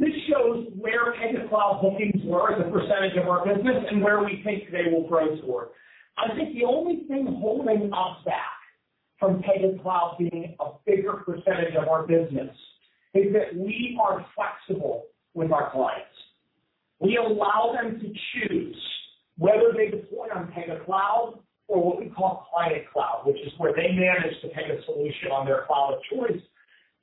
This shows where Pega Cloud bookings were as a percentage of our business and where we think they will grow toward. I think the only thing holding us back from Pega Cloud being a bigger percentage of our business is that we are flexible with our clients. We allow them to choose whether they deploy on Pega Cloud or what we call Client Cloud, which is where they manage the Pega solution on their cloud of choice.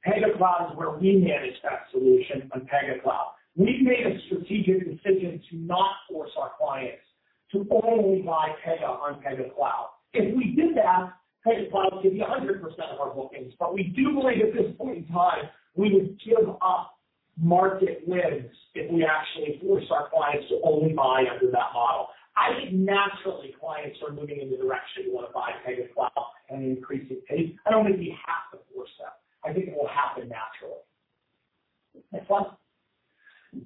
Pega Cloud is where we manage that solution on Pega Cloud. We made a strategic decision to not force our clients to only buy Pega on Pega Cloud. If we did that, Pega Cloud could be 100% of our bookings. We do believe at this point in time, we would give up market wins if we actually forced our clients to only buy under that model. I think naturally, clients are moving in the direction to want to buy Pega Cloud and increasing. I don't think we have to force that. I think it will happen naturally. Next slide.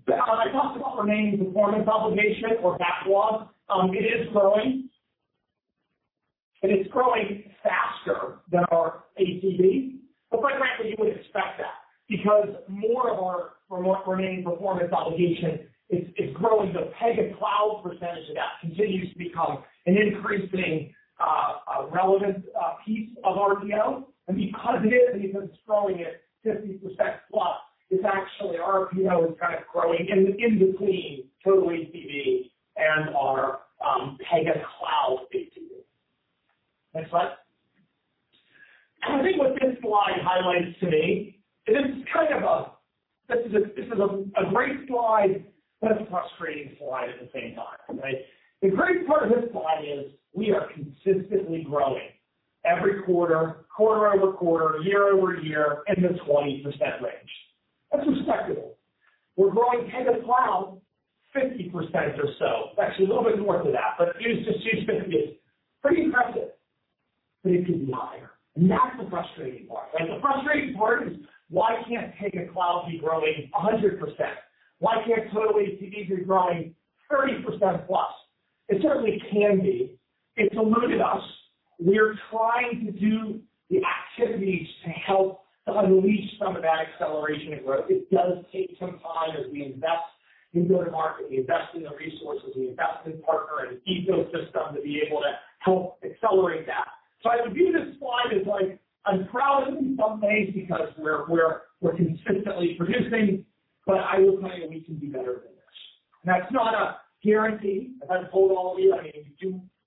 I talked about remaining performance obligation or backlog. It is growing. It's growing faster than our ACV. Quite rightly, you would expect that because more of our remaining performance obligation is growing as a Pega Cloud percentage of that continues to become an increasing relevant piece of RPO. Because it is, and because it's growing at 50%+, it's actually our RPO is kind of growing in between total ACV and our Pega Cloud ACV. Next slide. I think what this slide highlights to me is this is a great slide, but a frustrating slide at the same time, right? The great part of this slide is we are consistently growing every quarter-over-quarter, year-over-year, in the 20% range. That's respectable. We're growing Pega Cloud 50% or so, actually a little bit more than that, but it's pretty impressive. It could be higher. That's the frustrating part. The frustrating part is why can't Pega Cloud be growing 100%? Why can't total ACV be growing 30%+? It certainly can be. It's eluded us. We are trying to do the activities to help unleash some of that acceleration and growth. It does take some time as we invest in go-to-market, we invest in the resources, we invest in partner and ecosystem to be able to help accelerate that. I view this slide as I'm proud of it in some ways because we're consistently producing, but I will tell you we can do better than this. That's not a guarantee. I can't tell all of you.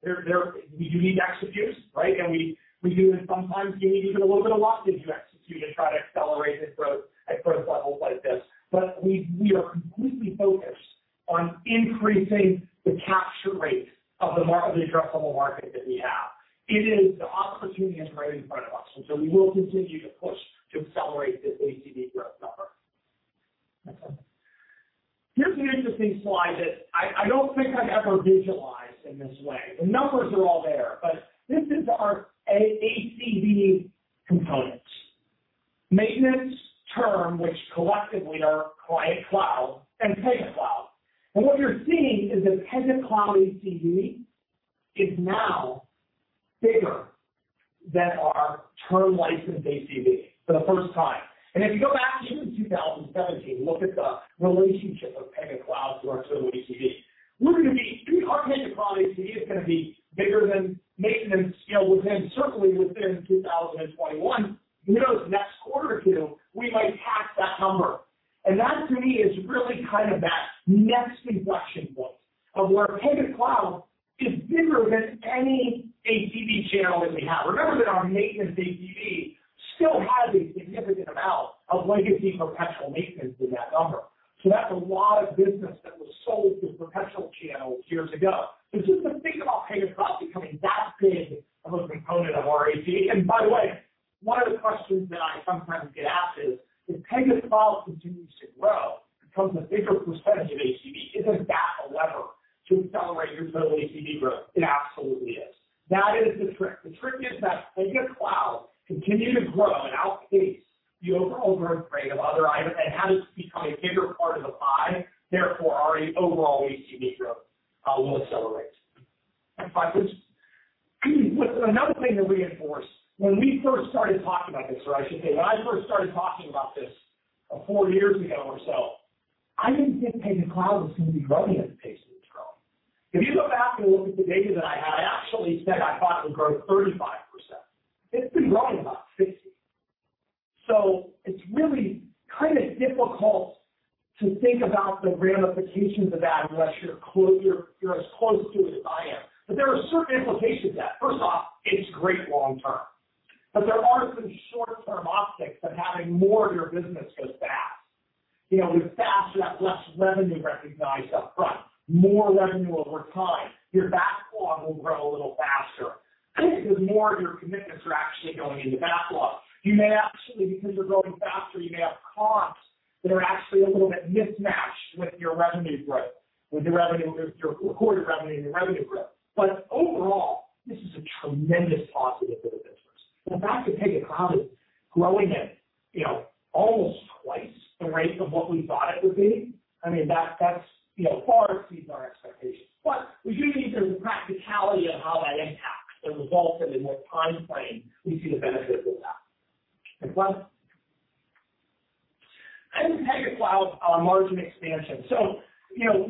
We do need to execute, right? We do this sometimes. We need to do a little bit of what did you execute and try to accelerate the growth at growth levels like this. We are completely focused on increasing the capture rate of the addressable market that we have. The opportunity is right in front of us, and so we will continue to push to accelerate the ACV growth number. Next slide. Here's an interesting slide that I don't think I've ever visualized in this way. The numbers are all there. This is our ACV component. Maintenance term, which collectively are Client Cloud and Pega Cloud. What you're seeing is that Pega Cloud ACV is now bigger than our term license ACV for the first time. If you go back even to 2017, look at the relationship of Pega Cloud to our total ACV. We believe Pega Cloud ACV is going to be bigger than maintenance ACV within certainly within 2021. Who knows, next quarter or two, we might pass that number. That to me is really that next inflection point of where Pega Cloud is bigger than any ACV channel that we have. Remember that our maintenance ACV still has a significant amount of legacy perpetual maintenance in that number. That's a lot of business that was sold through perpetual channels years ago. Just to think about Pega Cloud becoming that big of a component of our ACV, By the way, one of the questions that I sometimes get asked is, does Pega Cloud continue to grow? Becomes a bigger percentage of ACV. Isn't that a lever to accelerate your total ACV growth? It absolutely is. That is the trick. The trick is that Pega Cloud continue to grow and outpace the overall growth rate of other items. As it's become a bigger part of the pie, therefore our overall ACV growth will accelerate. Next slide please. Another thing to reinforce, when we first started talking about this, or I should say, when I first started talking about this four years ago or so, I didn't think Pega Cloud was going to be growing at the pace that it's grown. If you go back and look at the data that I had, I actually said I thought it would grow 35%. It's been growing about 60%. It's really difficult to think about the ramifications of that unless you're as close to it as I am. There are certain implications of that. First off, it's great long term, but there are some shorter-term optics of having more of your business go fast. With fast, you have less revenue recognized upfront, more revenue over time. Your backlog will grow a little faster because more of your commitments are actually going into backlog. You may actually, because you're growing faster, you may have comps that are actually a little bit mismatched with your revenue growth, with your recorded revenue and your revenue growth. Overall, this is a tremendous positive for the business. The fact that Pega Cloud is growing at almost twice the rate of what we thought it would be, I mean, that far exceeds our expectations. We do need the practicality of how that impacts the results and in what time frame we see the benefit of that. Next slide. Pega Cloud margin expansion.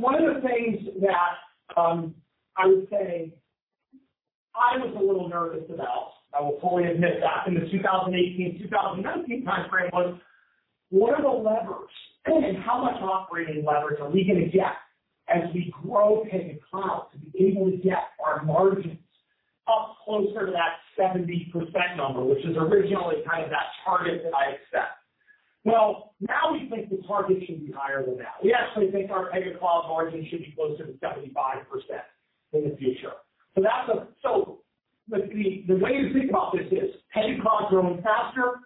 One of the things that I would say I was a little nervous about, I will fully admit that, in the 2018, 2019 time frame was, what are the levers and how much operating leverage are we going to get as we grow Pega Cloud to be able to get our margins up closer to that 70%, which is originally that target that I set? Now we think the target should be higher than that. We actually think our Pega Cloud margin should be closer to 75% in the future. The way to think about this is Pega Cloud is growing faster.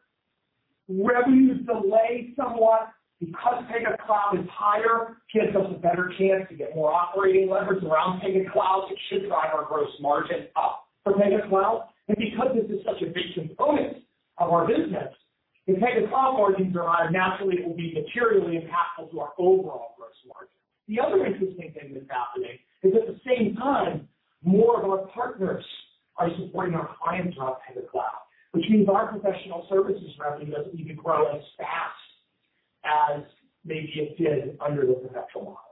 Revenue is delayed somewhat because Pega Cloud is higher, gives us a better chance to get more operating leverage around Pega Cloud, which should drive our gross margin up for Pega Cloud. Because this is such a big component of our business, the Pega Cloud margins are high, naturally it will be materially impactful to our overall. The other interesting thing that's happening is at the same time, more of our partners are supporting our clients on cloud as well, which means our professional services revenue isn't even growing as fast as they just did under the perpetual model.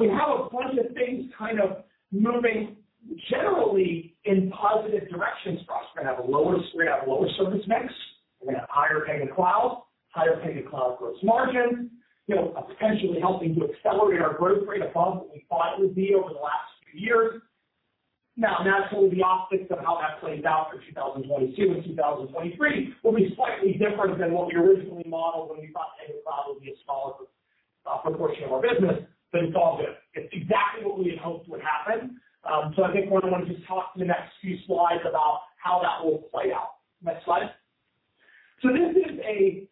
We have a bunch of things kind of moving generally in positive directions for us. We have a lower service mix. We have higher Pega Cloud gross margin, potentially helping to accelerate our growth rate above what we thought it would be over the last few years. Naturally, the offsets of how that plays out for 2022 and 2023 will be slightly different than what we originally modeled when we thought annual cloud would be a smaller proportion of our business than it's all good. It's exactly what we had hoped would happen. I think we're going to talk in the next few slides about how that will play out. Next slide. This is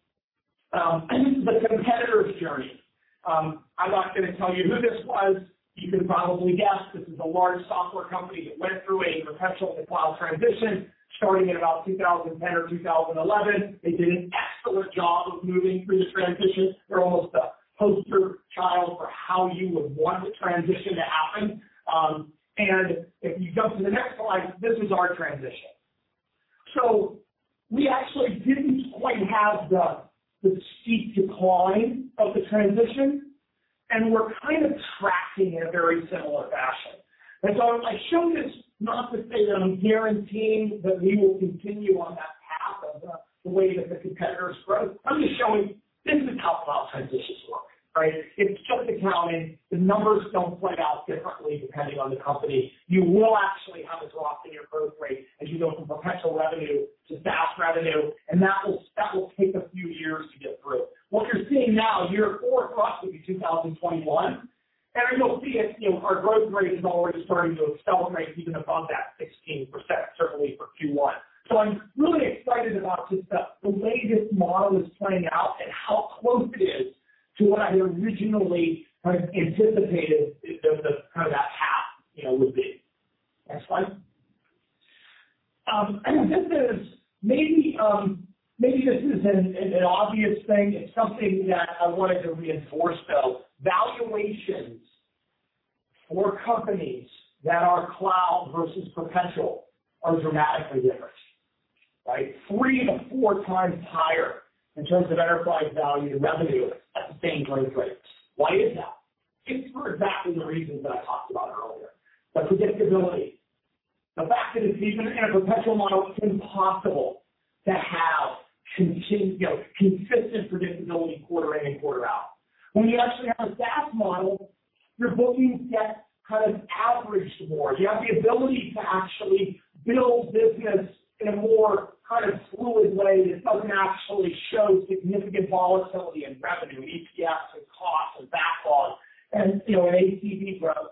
the competitor's journey. I'm not going to tell you who this was. You can probably guess. This is a large software company that went through a perpetual to cloud transition, starting in about 2010 or 2011. They did an excellent job of moving through this transition. They're almost the poster child for how you would want the transition to happen. If you go to the next slide, this is our transition. We actually didn't quite have the steep decline of the transition, and we're kind of tracking in a very similar fashion. As I show this, not to say that I'm guaranteeing that we will continue on that path of the way that the competitors growth. I'm just showing this is how cloud transitions work, right? It's just accounting. The numbers don't play out differently depending on the company. You will actually have a drop in your growth rate as you go from perpetual revenue to SaaS revenue, and that will take a few years to get through. What you're seeing now, year four for us would be 2021, and you'll see our growth rate is already starting to accelerate even above that 16%, certainly for Q1. I'm really excited about just the way this model is playing out and how close it is to what I originally had anticipated kind of that path would be. Next slide. I think maybe this is an obvious thing. It's something that I wanted to reinforce, though. Valuations for companies that are cloud versus perpetual are dramatically different. Three to four times higher in terms of enterprise value and revenue at the same growth rate. Why is that? It's for exactly the reasons I talked about earlier. The predictability, the fact that if you've got a perpetual model, it's impossible to have consistent predictability quarter in and quarter out. When you actually have a SaaS model, your bookings get kind of averaged more. You have the ability to actually build business in a more kind of fluid way that doesn't actually show significant volatility in revenue, EPS, and cost, and backlog, and ACV growth.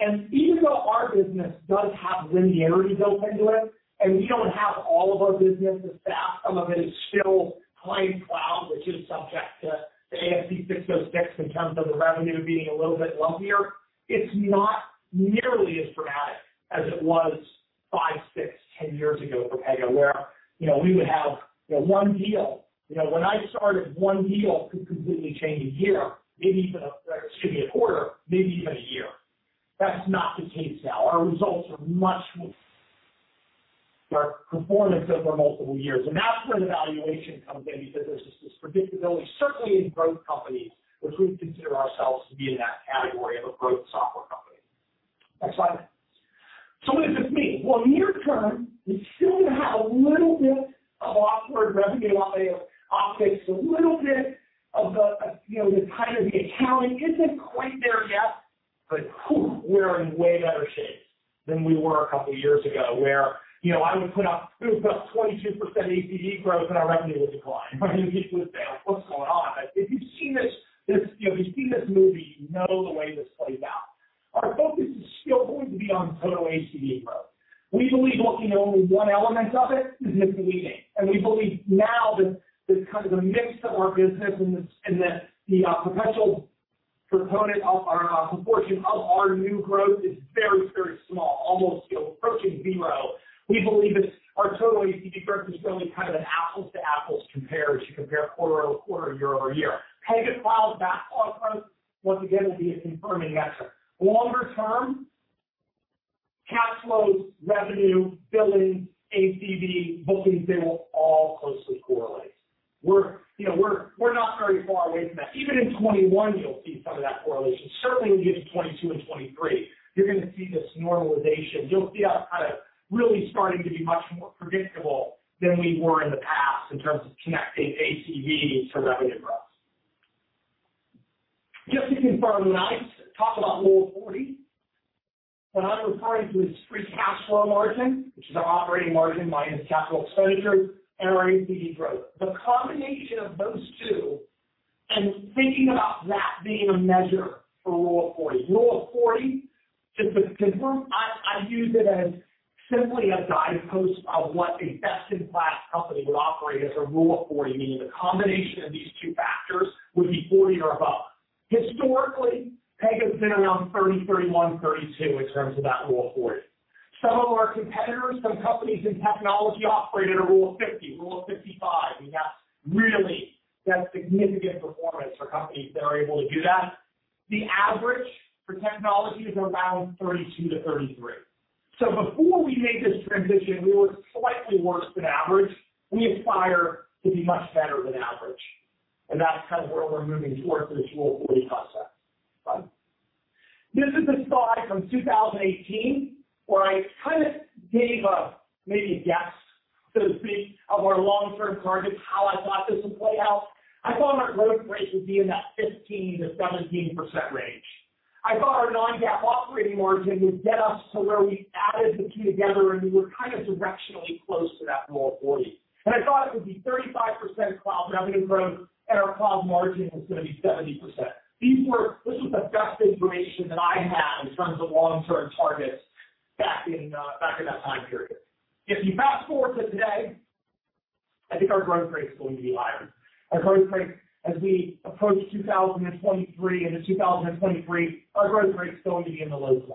Even though our business does have linearity built into it, and we don't have all of our business as SaaS, some of it is still Pega Cloud, which is subject to ASC 606 in terms of the revenue being a little bit lumpier. It's not nearly as dramatic as it was five, six, 10 years ago, where we would have one deal. When I started, one deal could completely change a year, maybe even a quarter, maybe even a year. That's not the case now. Our results are much more performance over multiple years. That's where the valuation comes in, because there's just this predictability, certainly in growth companies, which we consider ourselves to be in that category of a growth software company. Next slide. What does this mean? Well, near term, we still have a little bit of awkward revenue offsets, a little bit of the timing of the accounting isn't quite there yet, but we're in way better shape than we were a couple of years ago, where I would put up 22% ACV growth, and our revenue would decline, right? People would say, "What's going on?" If you've seen this movie, you know the way this plays out. Our focus is still going to be on total ACV growth. We believe only one element of it is missing, and we believe now that the kind of the mix of our business and the perpetual proportion of our new growth is very small, almost approaching zero. We believe our total ACV growth is really kind of an apples-to-apples comparison. Compare quarter-over-quarter, year-over-year. Pegasystems cloud backlog growth, once again, will be a confirming metric. Longer term, cash flows, revenue, billings, ACV, bookings, they will all closely correlate. We're not very far away from that. Even in 2021, you'll see some of that correlation. Certainly, when you get to 2022 and 2023, you're going to see this normalization. You'll see us kind of really starting to be much more predictable than we were in the past in terms of connecting ACV to revenue growth. Just to confirm, when I talk about Rule of 40, what I'm referring to is free cash flow margin, which is operating margin minus capital expenditure, and our ACV growth. The combination of those two, and thinking about that being a measure for Rule of 40. Rule of 40 is because I use it as simply a guidepost of what a best-in-class company would operate as a Rule of 40, meaning the combination of these two factors would be 40% or above. Historically, Pegasystems has been around 33%, 31%, 32% in terms of that Rule of 40. Some of our competitors, some companies in technology operate at a Rule of 50%, Rule of 55%, and that's really significant performance for companies that are able to do that. The average for technology is around 32% to 33%. Before we made this transition, we were slightly worse than average. We aspire to be much better than average, and that's kind of where we're moving towards this Rule of 40 concept. This is a slide from 2018 where I kind of gave maybe a guess to speak of our long-term targets, how I thought this would play out. I thought our growth rate would be in that 15%-17% range. I thought our non-GAAP operating margin would get us to where we added the two together, and we were kind of directionally close to that Rule of 40. I thought it would be 35% cloud revenue growth, and our cloud margin was going to be 70%. This was the best information that I had in terms of long-term targets back in that time period. If you fast-forward to today, I think our growth rate's going to be higher. Our growth rate as we approach 2023 into 2023, our growth rate's going to be in the low 20s%.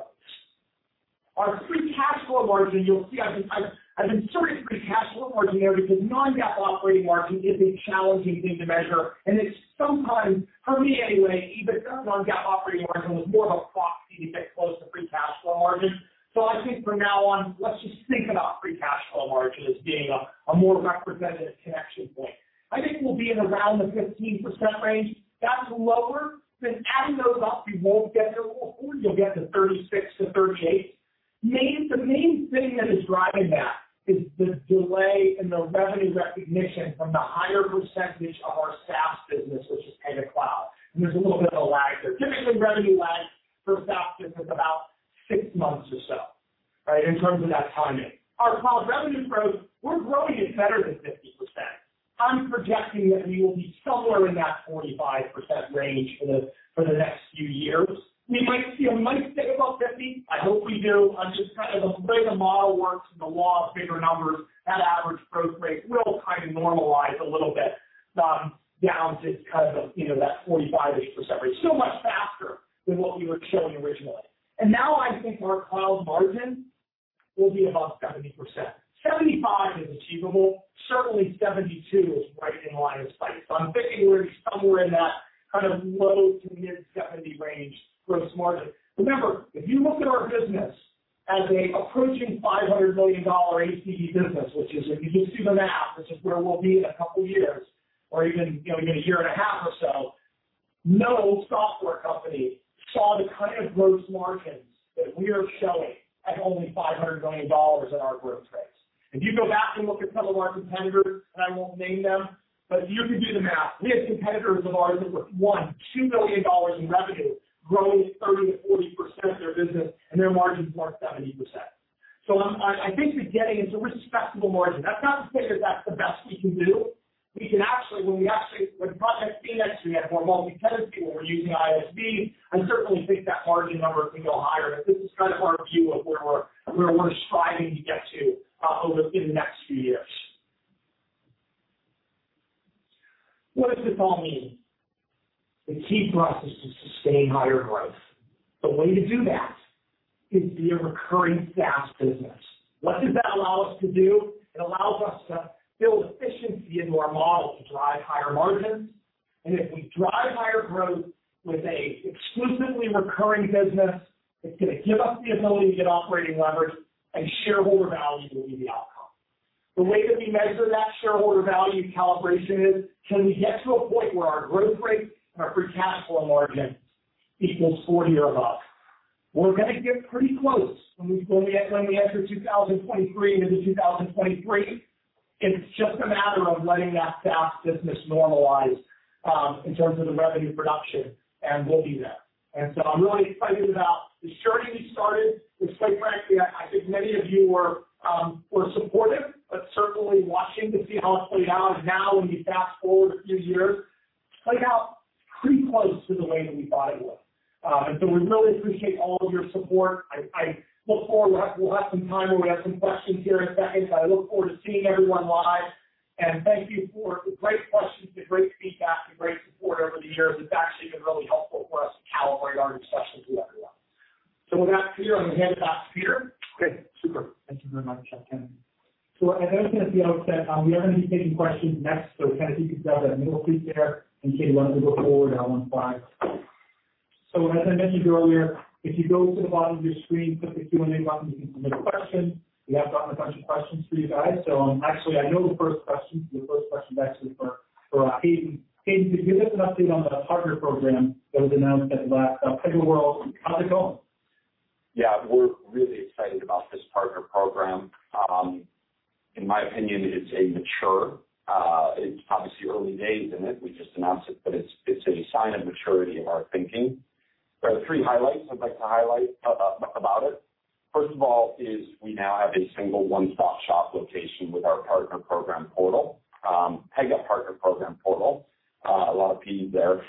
Our free cash flow margin, you'll see I've inserted free cash flow margin there because non-GAAP operating margin is a challenging thing to measure. It's sometimes, for me anyway, even non-GAAP operating margin was more of a proxy to get close to free cash flow margin. I think from now on, let's just think about free cash flow margin as being a more representative connection point. I think we'll be in around the 15% range. That's lower than adding those up, you won't get to Rule of 40. You'll get to 36%-38%. The main thing that is driving that is the delay in the revenue recognition from the higher percentage of our SaaS business, which is Pega Cloud. There's a little bit of a lag there. Typically, the revenue lag for a SaaS business is about six months or so in terms of that timing. Our cloud revenue growth, we're growing it better than 50%. I'm projecting that we will be somewhere in that 45% range for the next few years. We might stay above 50%. I hope we do. I'm just kind of the way the model works and the law of bigger numbers, that average growth rate will kind of normalize a little bit down to that 45%-ish range. Still much faster than what we were showing originally. Now I think our cloud margin will be above 70%. 75% is achievable. Certainly, 72% is right in line of sight. I'm thinking we're somewhere in that kind of low to mid 70% range gross margin. Remember, if you look at our business as approaching a $500 million ACV business, which is if you do the math, which is where we'll be in a couple of years or even a year and a half or so, no software company saw the kind of gross margins that we are showing at only $500 million in our growth rates. If you go back and look at some of our competitors, and I won't name them, but you can do the math. We have competitors of ours with one, $2 million in revenue growing 30%-40% of their business, and their margins are 70%. I think we're getting to a respectable margin. That's not to say that that's the best we can do. We can actually, when we actually run efficiency next year, we have more multi-tenant people, we're using ISV, I certainly think that margin number can go higher. This is kind of our view of where we're striving to get to within the next few years. What does this all mean? The key for us is to sustain higher growth. The way to do that is be a recurring SaaS business. What does that allow us to do? It allows us to build efficiency into our model to drive higher margins. If we drive higher growth with an exclusively recurring business, it's going to give us the ability to get operating leverage, and shareholder value will be the outcome. The way that we measure that shareholder value calibration is can we get to a point where our growth rate and our free cash flow margin equals 40% or above? We're going to get pretty close when we enter 2023 into 2023. It's just a matter of letting that SaaS business normalize in terms of the revenue production, and we'll be there. I'm really excited about the journey we started. It's like, frankly, I think many of you were supportive but certainly watching to see how this played out. Now when you fast-forward a few years, it played out pretty close to the way we thought it would. We really appreciate all of your support. I look forward, we'll have some time, and we have some questions here in a second, so I look forward to seeing everyone live. Thank you for the great questions, the great feedback, the great support over the years. It's actually been really helpful for us to calibrate our discussion with everyone. With that said, I'm going to hand it back to Peter. Great. Super. Thank you very much, Ken. I know it's going to be up next. We are going to be taking questions next, so kind of keep it together. We will be there in case we want to go forward on one slide. As I mentioned earlier, if you go to the bottom of your screen, click the Q&A button, you can submit a question. We have gotten a bunch of questions for you guys. Actually, I know the first question. The first question is actually for Hayden. Hayden, can you give us an update on the Partner Program that was announced at PegaWorld? How's it going? Yeah. We're really excited about this Partner Program. In my opinion, it's obviously early days in it. We just announced it's a sign of maturity in our thinking. There are three highlights I'd like to highlight about it. First of all is we now have a single one-stop shop location with our Partner Program portal, Pega Partner Program portal. A lot of P there.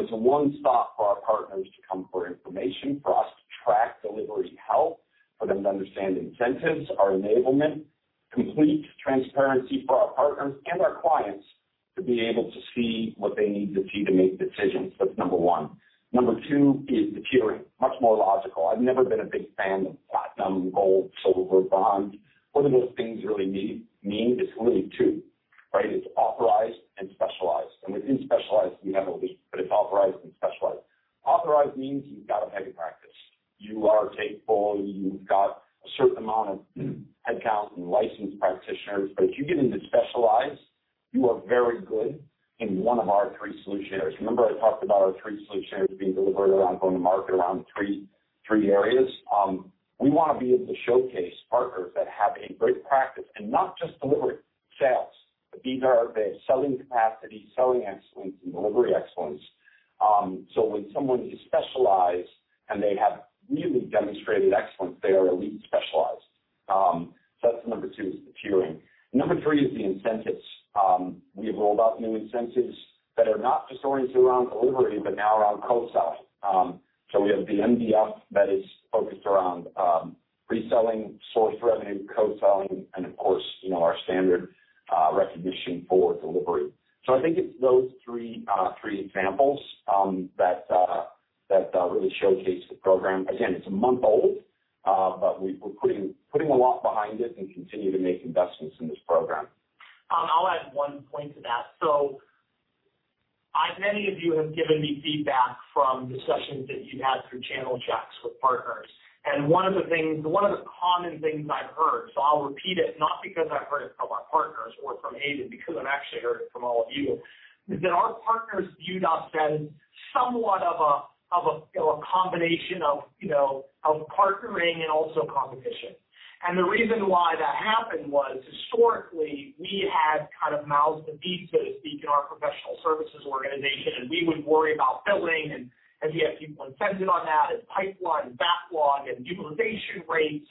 It's a one stop for our partners to come for information, for us to track delivery health, for them to understand incentives, our enablement. Complete transparency for our partners and our clients to be able to see what they need to see to make decisions. That's number one. Number two is the tiering. Much more logical. I've never been a big fan of platinum, gold, silver, bronze. What do those things really mean? It's really two, right? It's authorized and specialized. Within specialized we have elite, but it's authorized and specialized. Authorized means you've got a heavy practice. You are capable, and you've got a certain amount of account and licensed practitioners. If you get into specialized, you are very good in one of our three solution areas. Remember I talked about our three solution areas being delivered around going to market around three areas? We want to be able to showcase partners that have a great practice, and not just delivery. These are the selling capacity, selling excellence, and delivery excellence. When someone is specialized and they have really demonstrated excellence, they are elite specialized. That's number two is the tiering. Number three is the incentives. We've rolled out new incentives that are not just oriented around delivery but now around co-sell. We have the MDF that is focused around reselling, source revenue, co-selling, and of course our standard recognition for delivery. I think it's those three examples that really showcase the program. Again, it's a month old, but we're putting a lot behind it and continue to make investments in this program. I'll add one point to that. Many of you have given me feedback from the sessions that you've had through channel checks with partners. One of the common things I've heard, I'll repeat it not because I've heard it from our partners or from Hayden, because I've actually heard it from all of you, is that our partners view us as somewhat of a combination of partnering and also competition. The reason why that happened was historically we had mouths to feed, so to speak, in our professional services organization, we would worry about billing, we had people incented on that, pipeline, backlog, utilization rates,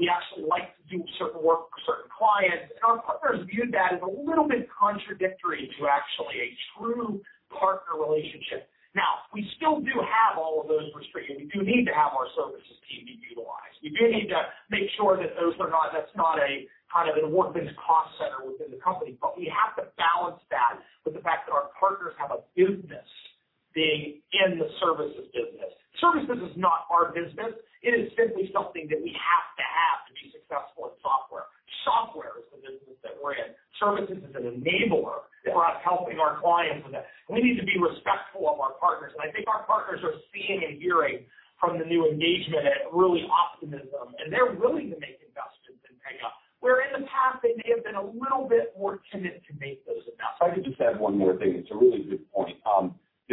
we actually like to do certain work for certain clients. Our partners viewed that as a little bit contradictory to actually a true partner relationship. Now, we still do have all of those restraints. We do need to have our services P&L-wise. We do need to make sure that that's not a kind of an unreasonable cost center within the company. We have to balance that with the fact that our partners have a business being in the services business. Services is not our business. It is simply something that we have to have to be successful at software. Software is the business that we're in. Services is an enabler for us helping our clients with it. We need to be respectful of our partners. I think our partners are seeing and hearing from the new engagement and really optimism, and they're willing to make investments in Pega, where in the past they may have been a little bit more timid to make those investments. If I could just add one more thing. It's a really good point.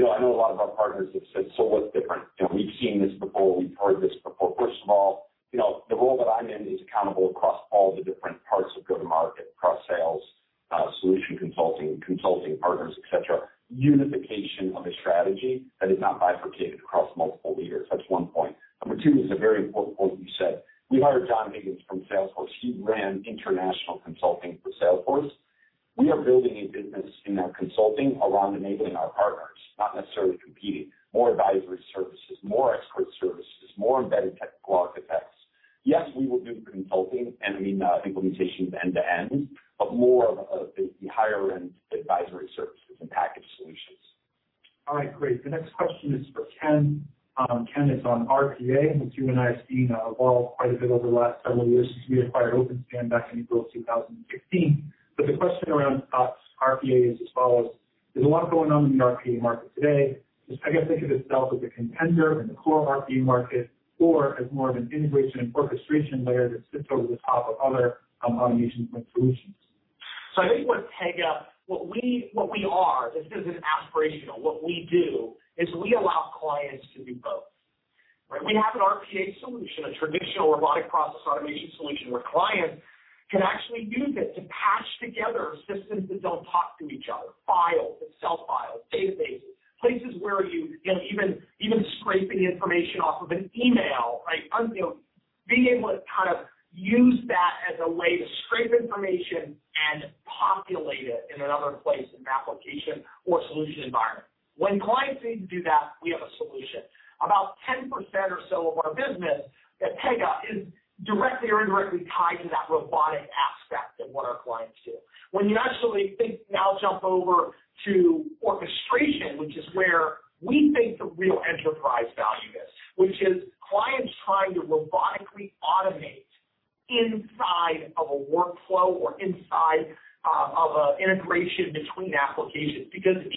I know a lot of our partners have said, "What's different? We've seen this before. We've heard this before." First of all, the role that I'm in is accountable across all the different parts of go to market, across sales, solution consulting partners, et cetera. Unification of a strategy that is not bifurcated across multiple leaders. That's one point. Number two is a very important point you said. We hired John Higgins from Salesforce. He ran international consulting for Salesforce. We are building a business in our consulting around enabling our partners, not necessarily competing. More advisory services, more expert services, more embedded technical architects. Yes, we will do consulting and implementation end to end, but more of the higher-end advisory services and packaged solutions. All right, great. The next question is for Ken. Ken is on RPA, which you and I have seen evolve quite a bit over the last several years since we acquired OpenSpan back in April 2016. The question around RPA is as follows. There's a lot going on in the RPA market today. Does Pegasystems itself as a contender in the core RPA market or as more of an integration and orchestration layer that sits over the top of other automation point solutions? I think with Pega, what we are, this isn't aspirational, what we do is we allow clients to do both, right? We have an RPA solution, a traditional robotic process automation solution where clients can actually use it to patch together systems that don't talk to each other. Files, Excel files, databases, places, even scraping information off of an email. Being able to use that as a way to scrape information and populate it in another place, an application or solution environment. When clients need to do that, we have a solution. About 10% or so of our business at Pega is directly or indirectly tied to that robotic aspect of what our clients do. When you actually think, now jump over to orchestration, which is where we think the real enterprise value is, which is clients trying to robotically automate inside of a workflow or inside of an integration between applications.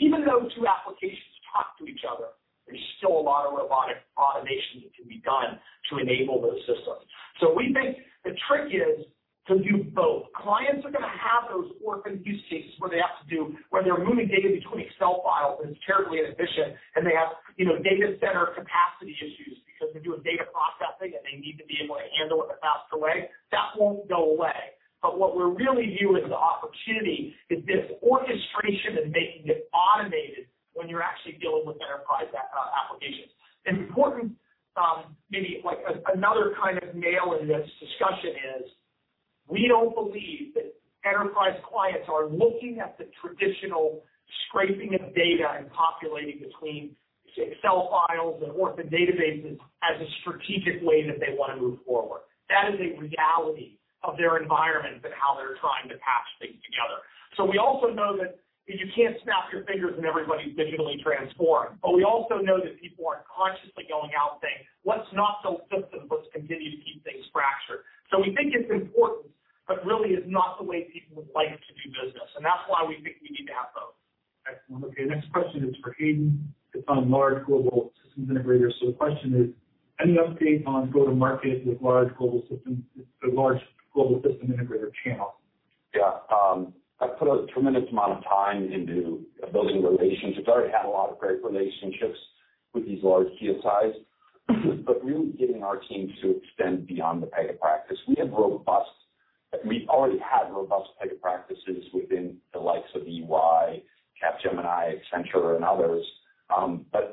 Even though two applications talk to each other, there's still a lot of robotic automation that can be done to enable those systems. We think the trick is to do both. Clients are going to have those or going to use cases where they have to do, when they're moving data between Excel files and it's terribly inefficient, and they have data center capacity issues because they're doing data processing and they need to be able to handle it in a faster way. That won't go away. What we really view as an opportunity is this orchestration and making it automated when you're actually dealing with enterprise applications. An important, maybe another kind of nail in this discussion is we don't believe enterprise clients are looking at the traditional scraping of data and populating between Excel files and Oracle databases as a strategic way that they want to move forward. That is a reality of their environment and how they're trying to patch things together. We also know that you can't snap your fingers and everybody's digitally transformed, but we also know that people aren't consciously going out saying, "Let's not sell systems. Let's continue to keep things fractured." We think it's important, but really it's not the way people would like to do business, and that's why we think we need to have both. Excellent. Okay. Next question is for Hayden. It's on large Global System Integrators. The question is, any updates on go-to-market with the largest Global System Integrator channel? I put a tremendous amount of time into building relationships. I already had a lot of great relationships with these large GSIs, but really getting our teams to extend beyond the Pega practice. We already had robust Pega practices within the likes of EY, Capgemini, Accenture, and others.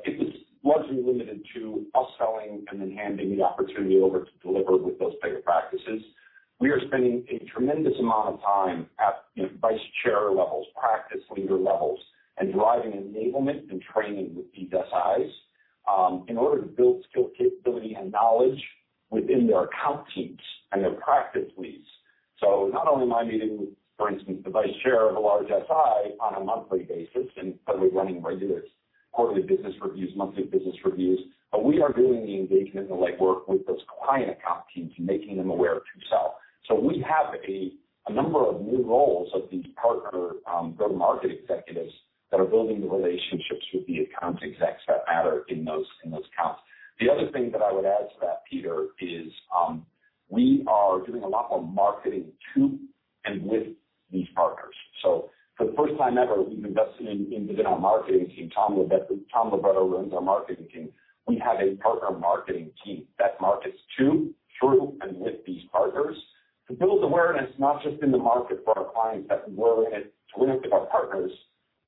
It was largely limited to upselling and then handing the opportunity over to deliver with those Pega practices. We are spending a tremendous amount of time at vice chair levels, practice leader levels, and driving enablement and training with these GSIs, in order to build skill capability and knowledge within their account teams and their practice leads. Not only am I meeting with, for instance, the Vice Chair of a large GSI on a monthly basis and probably running regular quarterly business reviews, monthly business reviews, but we are doing the engagement of the legwork with those client account teams and making them aware of themselves. We have a number of new roles of these partner go-to-market executives that are building the relationships with the account execs that matter in those accounts. The other thing that I would add to that, Peter, is we are doing a lot more marketing to and with these partners. For the first time ever, we've invested in building our marketing team. Tom Libretto runs our marketing team. We have a partner marketing team that markets to, through, and with these partners to build awareness, not just in the market for our clients that we're linked with our partners,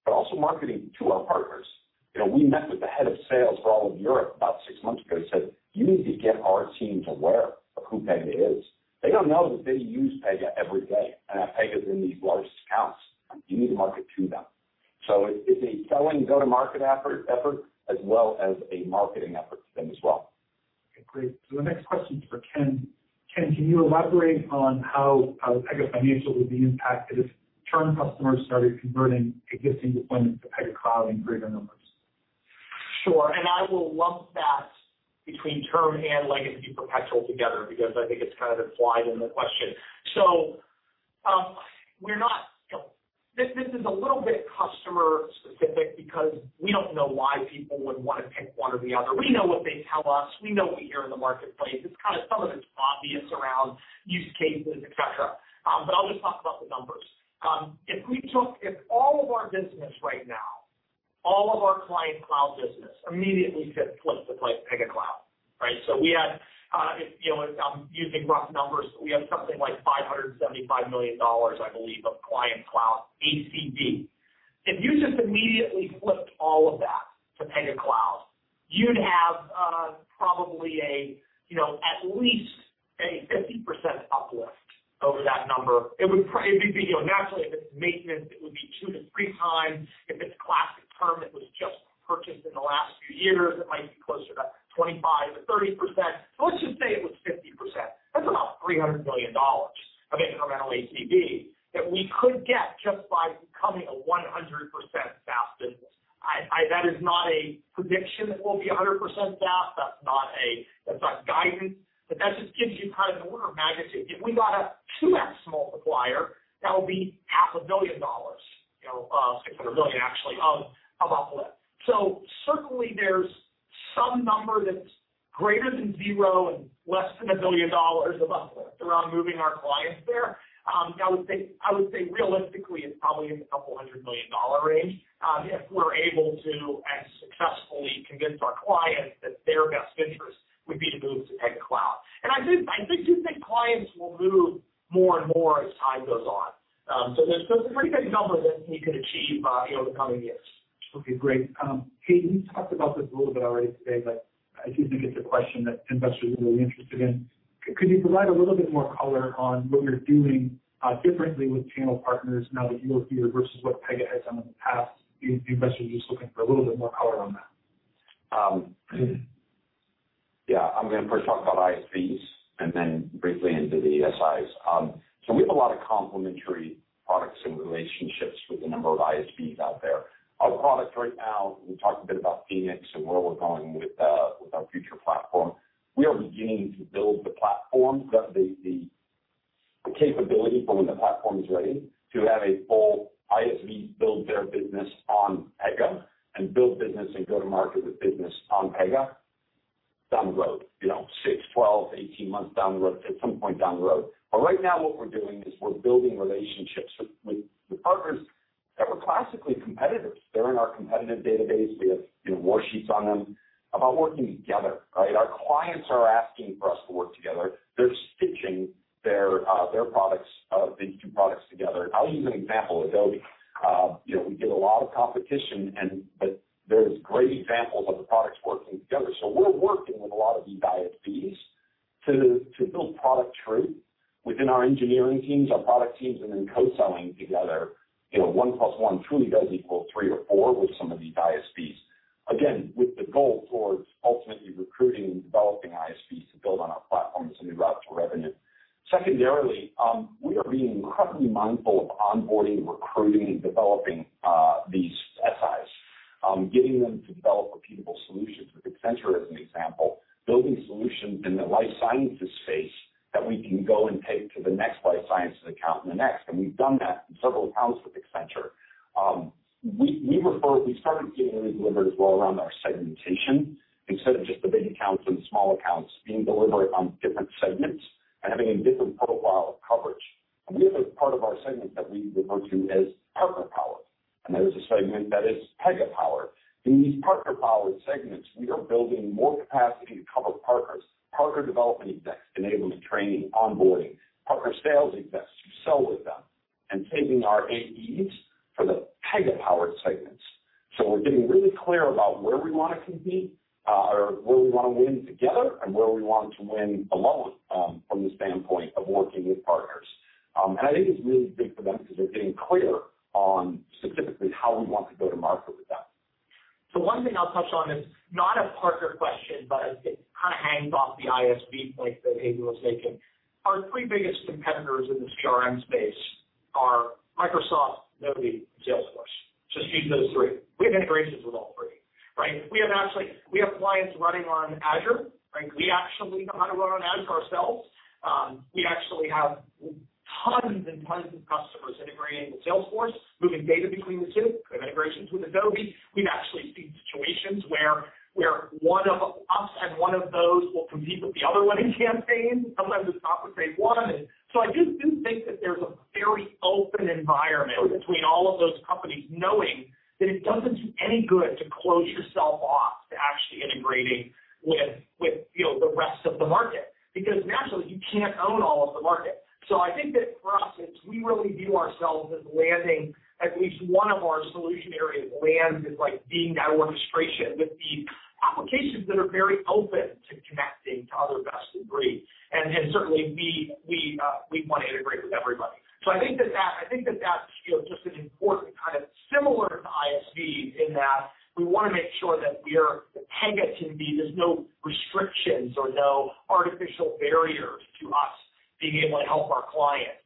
but also marketing to our partners. We met with the Head of Sales for all of Europe about six months ago. He said, "You need to get our team to aware of who Pega is. They don't know that they use Pega every day, and that Pega is in these large accounts. You need to market to them." It's a selling go-to-market effort as well as a marketing effort for them as well. Okay, great. The next question is for Ken. Ken, can you elaborate on how Pega financial would be impacted if term customers started converting existing deployments to Pega Cloud in greater numbers? Sure, I will lump that between term and legacy perpetual together because I think it's kind of implied in the question. This is a little bit customer specific because we don't know why people would want to pick one or the other. We know what they tell us. We know what we hear in the marketplace. It's kind of some of it's obvious around use cases, et cetera. Let me talk about the numbers. If all of our business right now, all of our client cloud business immediately said, "Flip to Pega Cloud." I'm using rough numbers. We have something like $575 million, I believe, of client cloud ACV. If you just immediately flipped all of that to Pega Cloud, you'd have probably at least a 50% uplift over that number. Naturally, if it's maintenance, it would be two to three times. If it's classic term that was just purchased in the last few years, it might be closer to 25%-30%. Let's just say it was 50%. That's about $300 million of incremental ACV that we could get just by becoming a 100% SaaS business. That is not a prediction it will be 100% SaaS. That's not guidance, that just gives you kind of an order of magnitude. If we got a 2X multiplier, that would be $500 million. $1 billion, actually, of uplift. Certainly there's some number that's greater than zero and less than a $1 billion of uplift around moving our clients there. I would say realistically, it's probably in the couple hundred million dollar range. If we're able to and successfully convince our clients that their best interest would be to move to Pega Cloud. I do think clients will move more and more as time goes on. There's a pretty good number that we could achieve over coming years. Okay, great. Hayden, you talked about this a little bit already today, but I do think it's a question that investors are really interested in. Could you provide a little bit more color on what you're doing differently with channel partners now that you're here versus what Pega has done in the past? The investor is just looking for a little bit more color on that. Yeah. I'm going to first talk about ISVs and then briefly into the GSIs. We have a lot of complementary products and relationships with a number of ISVs out there. Our products right now, we talked a bit about fnx and where we're going with our future platform. We are beginning to build the platform, the capability for when the platform's ready to have a full ISV build their business on Pega, and build business and go-to-market with business on Pega down the road. Six, 12, 18 months down the road, at some point down the road. Right now what we're doing is we're building relationships with partners that were classically competitors. They're in our competitive database. We have war sheets on them about working together. Our clients are asking for us to work together. They're stitching their two products together. I'll use an example, Adobe. We get a lot of competition, there's great examples of the products working together. We're working with a lot of these ISVs to build product truth within our engineering teams, our product teams, co-selling together. One plus one truly does equal three or four with some of these ISVs. Again, with the goal towards ultimately recruiting and developing ISVs to build on our platforms and new routes to revenue. Secondarily, we are being incredibly mindful of onboarding, recruiting, and developing these SIs. Getting them to develop repeatable solutions with Accenture as an example, building solutions in the life sciences space that we can go and take to the next life sciences account and the next. We've done that in several accounts with Accenture. We started getting these delivered as well around our segmentation, instead of just the big accounts and small accounts being delivered on different segments and having a different profile of coverage. We have a part of our segment that we refer to as partner power, and there is a segment that is Pega power. In these partner power segments, we are building more capacity to cover partners, partner development efforts, enablement training, onboarding, partner sales effects to sell with them, and taking our AEs for the Pega power segments. We're getting really clear about where we want to compete, or where we want to win together, and where we want to win alone, from the standpoint of working with partners. I think it's really big for them because they're being clear on specifically how we want to go to market with them. One thing I'll touch on is not a partner question, but I think hangs off the ISV point that Hayden was making. Our three biggest competitors in the CRM space are Microsoft, Adobe, and Salesforce. Just these those three. We have integrations with all three. We have clients running on Azure. We actually run on Azure ourselves. We actually have tons and tons of customers integrating with Salesforce, moving data between the two. We have integrations with Adobe. We've actually seen situations where one of us and one of those will compete with the other one in campaigns. Sometimes it's not what they want. I do think that there's a very open environment between all of those companies knowing that it doesn't do any good to close yourself off to actually integrating with the rest of the market. Naturally, you can't own all of the market. I think that for us, as we really view ourselves as landing, at least one of our solution areas lands as being that orchestration with the applications that are very open to connecting to other best in breed. Certainly we want to integrate with everybody. I think that that's just an important, kind of similar to ISV in that we want to make sure that we are, the Pega team, there's no restrictions or no artificial barriers to us being able to help our clients.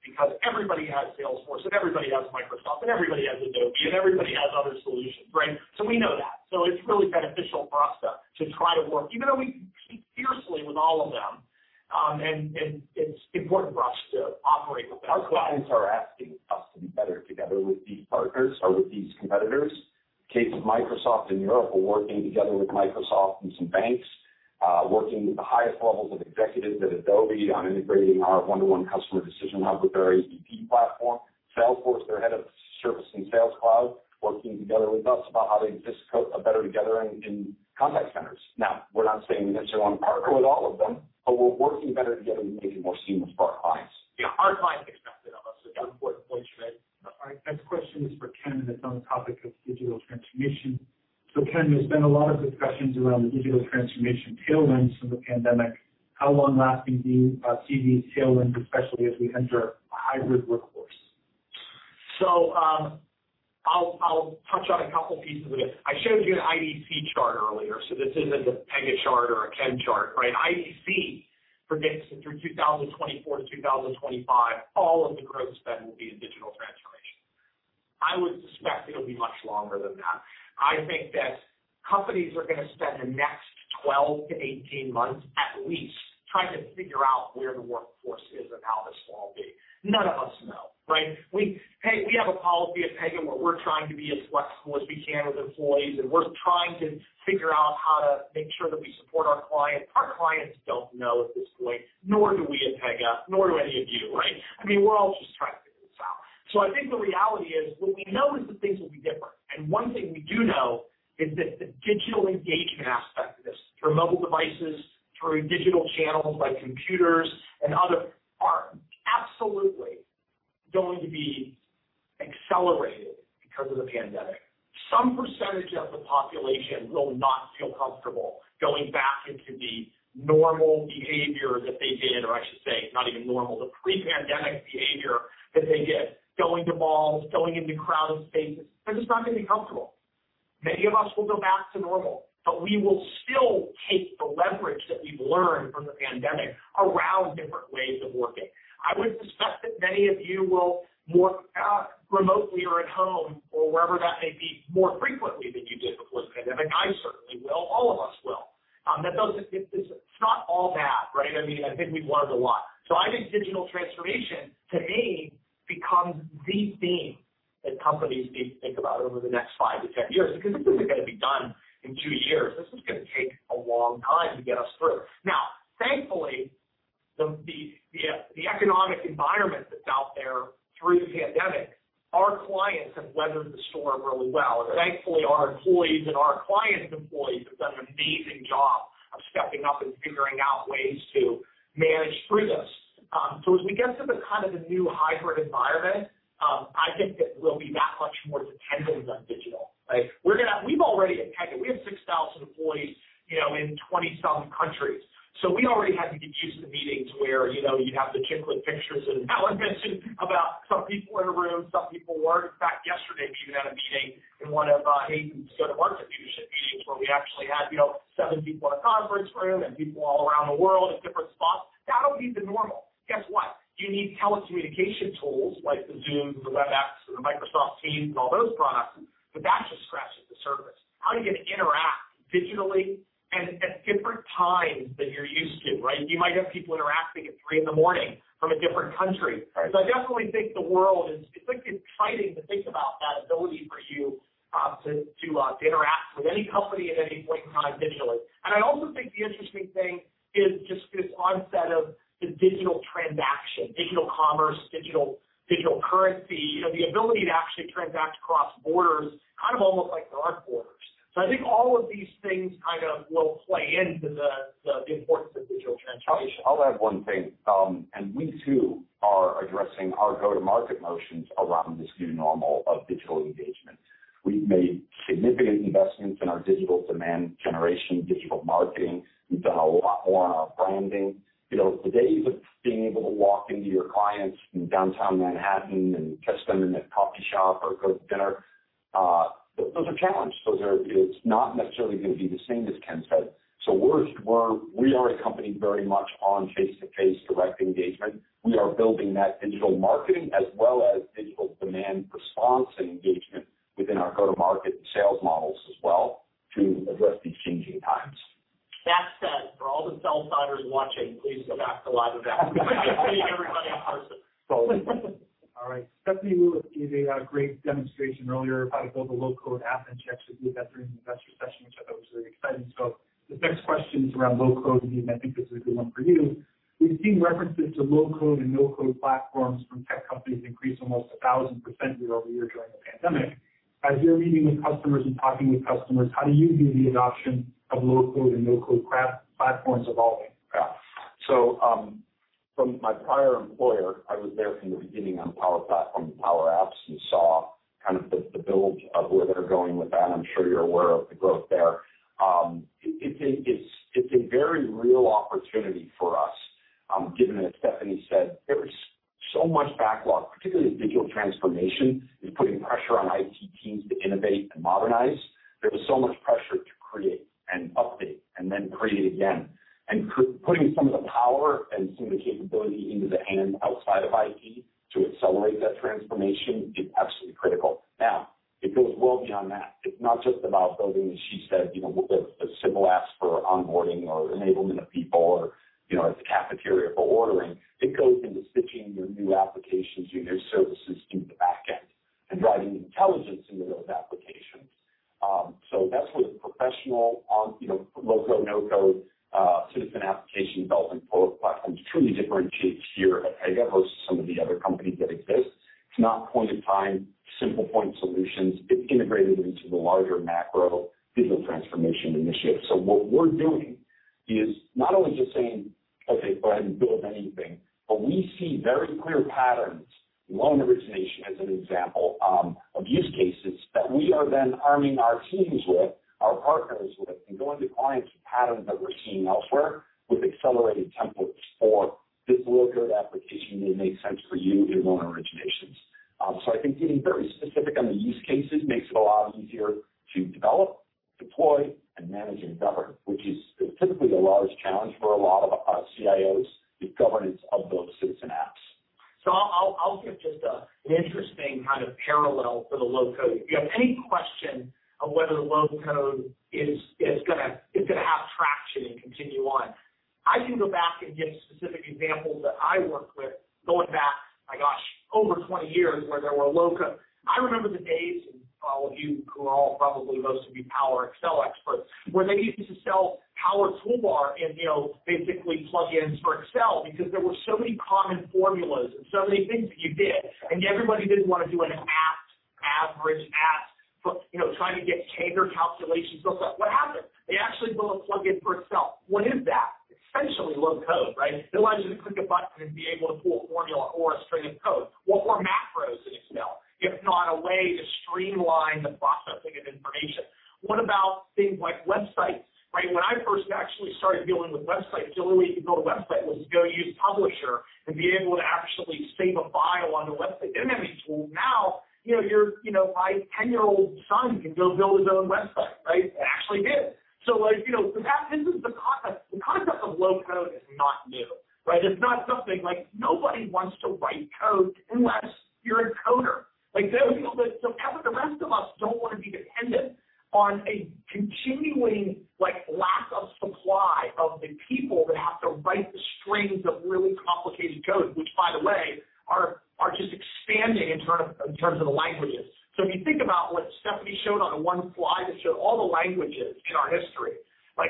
Everybody has Salesforce, and everybody has Microsoft, and everybody has Adobe, and everybody has other solutions. We know that. It's really beneficial for us to try and work, even though we compete fiercely with all of them, and it's important for us to operate with them. Our clients are asking us to be better together with these partners or with these competitors. Case of Microsoft in Europe, we're working together with Microsoft and some banks, working with the highest levels of executives at Adobe on integrating our one-to-one Customer Decision Hub with their AEP platform. Salesforce, their Head of Service and Sales Cloud, working together with us about how they just built a better together in contact centers. We're not saying we necessarily want to partner with all of them, but we're working better together to make it more seamless for our clients. Our clients get the benefit of us at that point. The next question is for Ken, and it's on the topic of digital transformation. How long-lasting do you see these tailwinds, especially as we enter a hybrid workforce? I'll touch on a couple pieces of this. I showed you an IDC chart earlier. This isn't a Pega chart or a Ken chart. IDC predicts that through 2024, 2025, all of the growth spend will be in digital transformation. I would suspect it'll be much longer than that. I think that companies are going to spend the next 12 to 18 months at least trying to figure out where the workforce is and how this will all be. None of us know. We have a policy at Pega where we're trying to be as flexible as we can with employees, and we're trying to figure out how to make sure that we support our clients. Our clients don't know at this point, nor do we at Pega, nor do any of you. We're all just trying to figure this out. I think the reality is what we know is that things will be different. One thing we do know is that the digital engagement aspect of this, through mobile devices, through digital channels like computers and others, are absolutely going to be accelerated because of the pandemic. Some percentage of the population will not feel comfortable going back into the normal behavior that they did, or I should say not even normal, the pre-pandemic behavior that they did. Going to malls, going into crowded spaces, they're just not going to be comfortable. Many of us will go back to normal, but we will still take the leverage that we've learned from the pandemic around different ways of working. I would suspect that many of you will work remotely or at home or wherever that may be more frequently than you did before the pandemic. I certainly will. All of us will. It's not all bad. I think we learned a lot. I think digital transformation, to me, becomes the theme that companies need to think about over the next five to 10 years, because this isn't going to be done in two years. This is going to take a long time to get us through. Thankfully, the economic environment that's out there through the pandemic, our clients have weathered the storm really well. Thankfully, our employees and our clients' employees have done an amazing job of stepping up and figuring out ways to manage through this As we get to the new hybrid environment, I think that we'll be that much more dependent on digital. We have 6,000 employees in 20 some countries. We already had to get used to meetings where you'd have the giggling pictures and Alan mentioned about some people in a room, some people weren't. In fact, yesterday, we had a meeting in one of Hayden's sort of architecture sessions where we actually had seven people in a conference room and people all around the world in different spots. That'll be the normal. Guess what? You need telecommunication tools like the Zooms, the Webexes, the Microsoft Teams, and all those products, but that just scratches the surface. How are you going to interact digitally and at different times than you're used to, right? You might have people interacting at 3:00A.M. from a different country. I definitely think it's exciting to think about that ability for you to interact with any company at any point in time digitally. I also think the interesting thing is just this onset of the digital transaction, digital commerce, digital currency, the ability to actually transact across borders, kind of almost like there are no borders. I think all of these things will play into the importance of digital transformation. I'll add one thing. We too are addressing our go-to-market motions around this new normal of digital engagement. We've made significant investments in our digital demand generation, digital marketing. We've done a lot more on our branding. The days of being able to walk into your clients in downtown Manhattan and catch them in a coffee shop or go to dinner, those are challenged. It's not necessarily going to be the same as Ken said. We are a company very much on face-to-face direct engagement. We are building that digital marketing as well as digital demand response and engagement within our go-to-market sales models as well to address these changing times. That said, for all the sales leaders watching, please go back to live events. Absolutely. Everybody in person. Totally. All right. Stephanie gave a great demonstration earlier about the low-code architecture that we had during the investor session, which I thought was very exciting. The next question is around low-code, and I think this is a good one for you. We've seen references to low-code and no-code platforms from tech companies increase almost 1,000% year-over-year during the pandemic. As you're meeting with customers and talking with customers, how do you view the adoption of low-code and no-code platforms evolving? Yeah. From my prior employer, I was there from the beginning on Power Platform and Power Apps and saw the build of where they're going with that. I'm sure you're aware of the growth there. It's a very real opportunity for us, given, as Stephanie said, there is so much backlog, particularly with digital transformation, is putting pressure on IT teams to innovate and modernize. There was so much pressure to create and update and then create again. Putting some of the power and some of the capability into the hands outside of IT to accelerate that transformation is absolutely critical. Now, it goes well beyond that. It's not just about building, as she said, a simple ask for onboarding or enablement of people or a cafeteria for ordering. It goes into stitching your new applications, your new services to the back end and driving intelligence into those applications. That's where the professional low-code, no-code citizen application development platforms truly differentiates here at Pegasystems versus some of the other companies that exist. It's not point-in-time, simple point solutions. It's integrated into the larger macro digital transformation initiative. What we're doing is not only just saying, "Okay, go ahead and build anything," but we see very clear patterns, loan origination as an example of use cases that we are then arming our teams with, our partners with, and going to clients with patterns that we're seeing elsewhere with accelerated templates for this low-code application that makes sense for you in loan originations. I think getting very specific on the use cases makes it a lot easier to develop, deploy, and manage and govern, which is typically a large challenge for a lot of CIOs, the governance of those citizen apps. I'll give just an interesting parallel for the low-code. If you have any question on whether low-code is going to have traction and continue on, I can go back and give specific examples that I worked with going back, my gosh, over 20 years where there were low-code. I remember the days, and all of you who are all probably mostly Power Excel experts, when they used to sell Power Toolbar and basically plug-ins for Excel because there were so many common formulas and so many things that you did, and everybody didn't want to do an at average, trying to get database calculations built up. What happened? They actually built a plug-in for Excel. What is that? Essentially low-code, right? They wanted to click a button and be able to pull a formula or a string of code. What were macros in Excel if not a way to streamline the processing of information? What about things like websites, right? When I first actually started dealing with websites, the only way you could build a website was to go use Publisher and be able to actually save a file on the website. Well now, my 10-year-old son can go build his own website, right? He actually did. The concept of low-code is not new, right? It's not something like nobody wants to write code unless you're a coder. Like, the rest of us don't want to be dependent on a continuing lack of supply of the people that have to write the strings of really complicated codes, which, by the way, are just expanding in terms of languages. If you think about what Stephanie showed on one slide that showed all the languages in our history.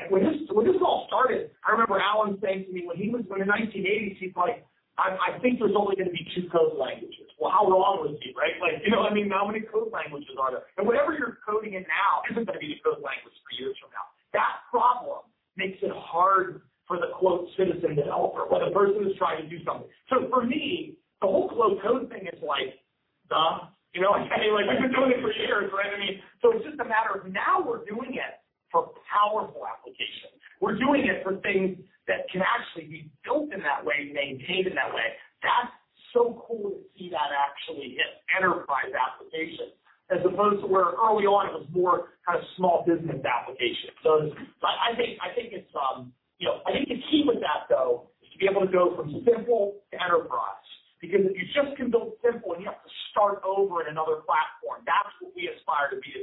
When this all started, I remember Alan saying to me in 1980, he's like, "I think there's only going to be two code languages." How wrong was he, right? How many code languages are there? Whatever you're coding in now isn't going to be the code language three years from now. That problem makes it hard for the citizen developer or the person who's trying to do something. For me, the whole low-code thing is like, duh. Anyway, we've been doing it for years. It's just a matter of now we're doing it for powerful applications. We're doing it for things that can actually be built in that way, maintained in that way. That's so cool to see that actually in enterprise applications as opposed to where, oh, we only have more kind of small business applications. I think the key with that, though, is to be able to go from simple to enterprise. If you just can build simple and you have to start over in another platform, that's what we aspire to be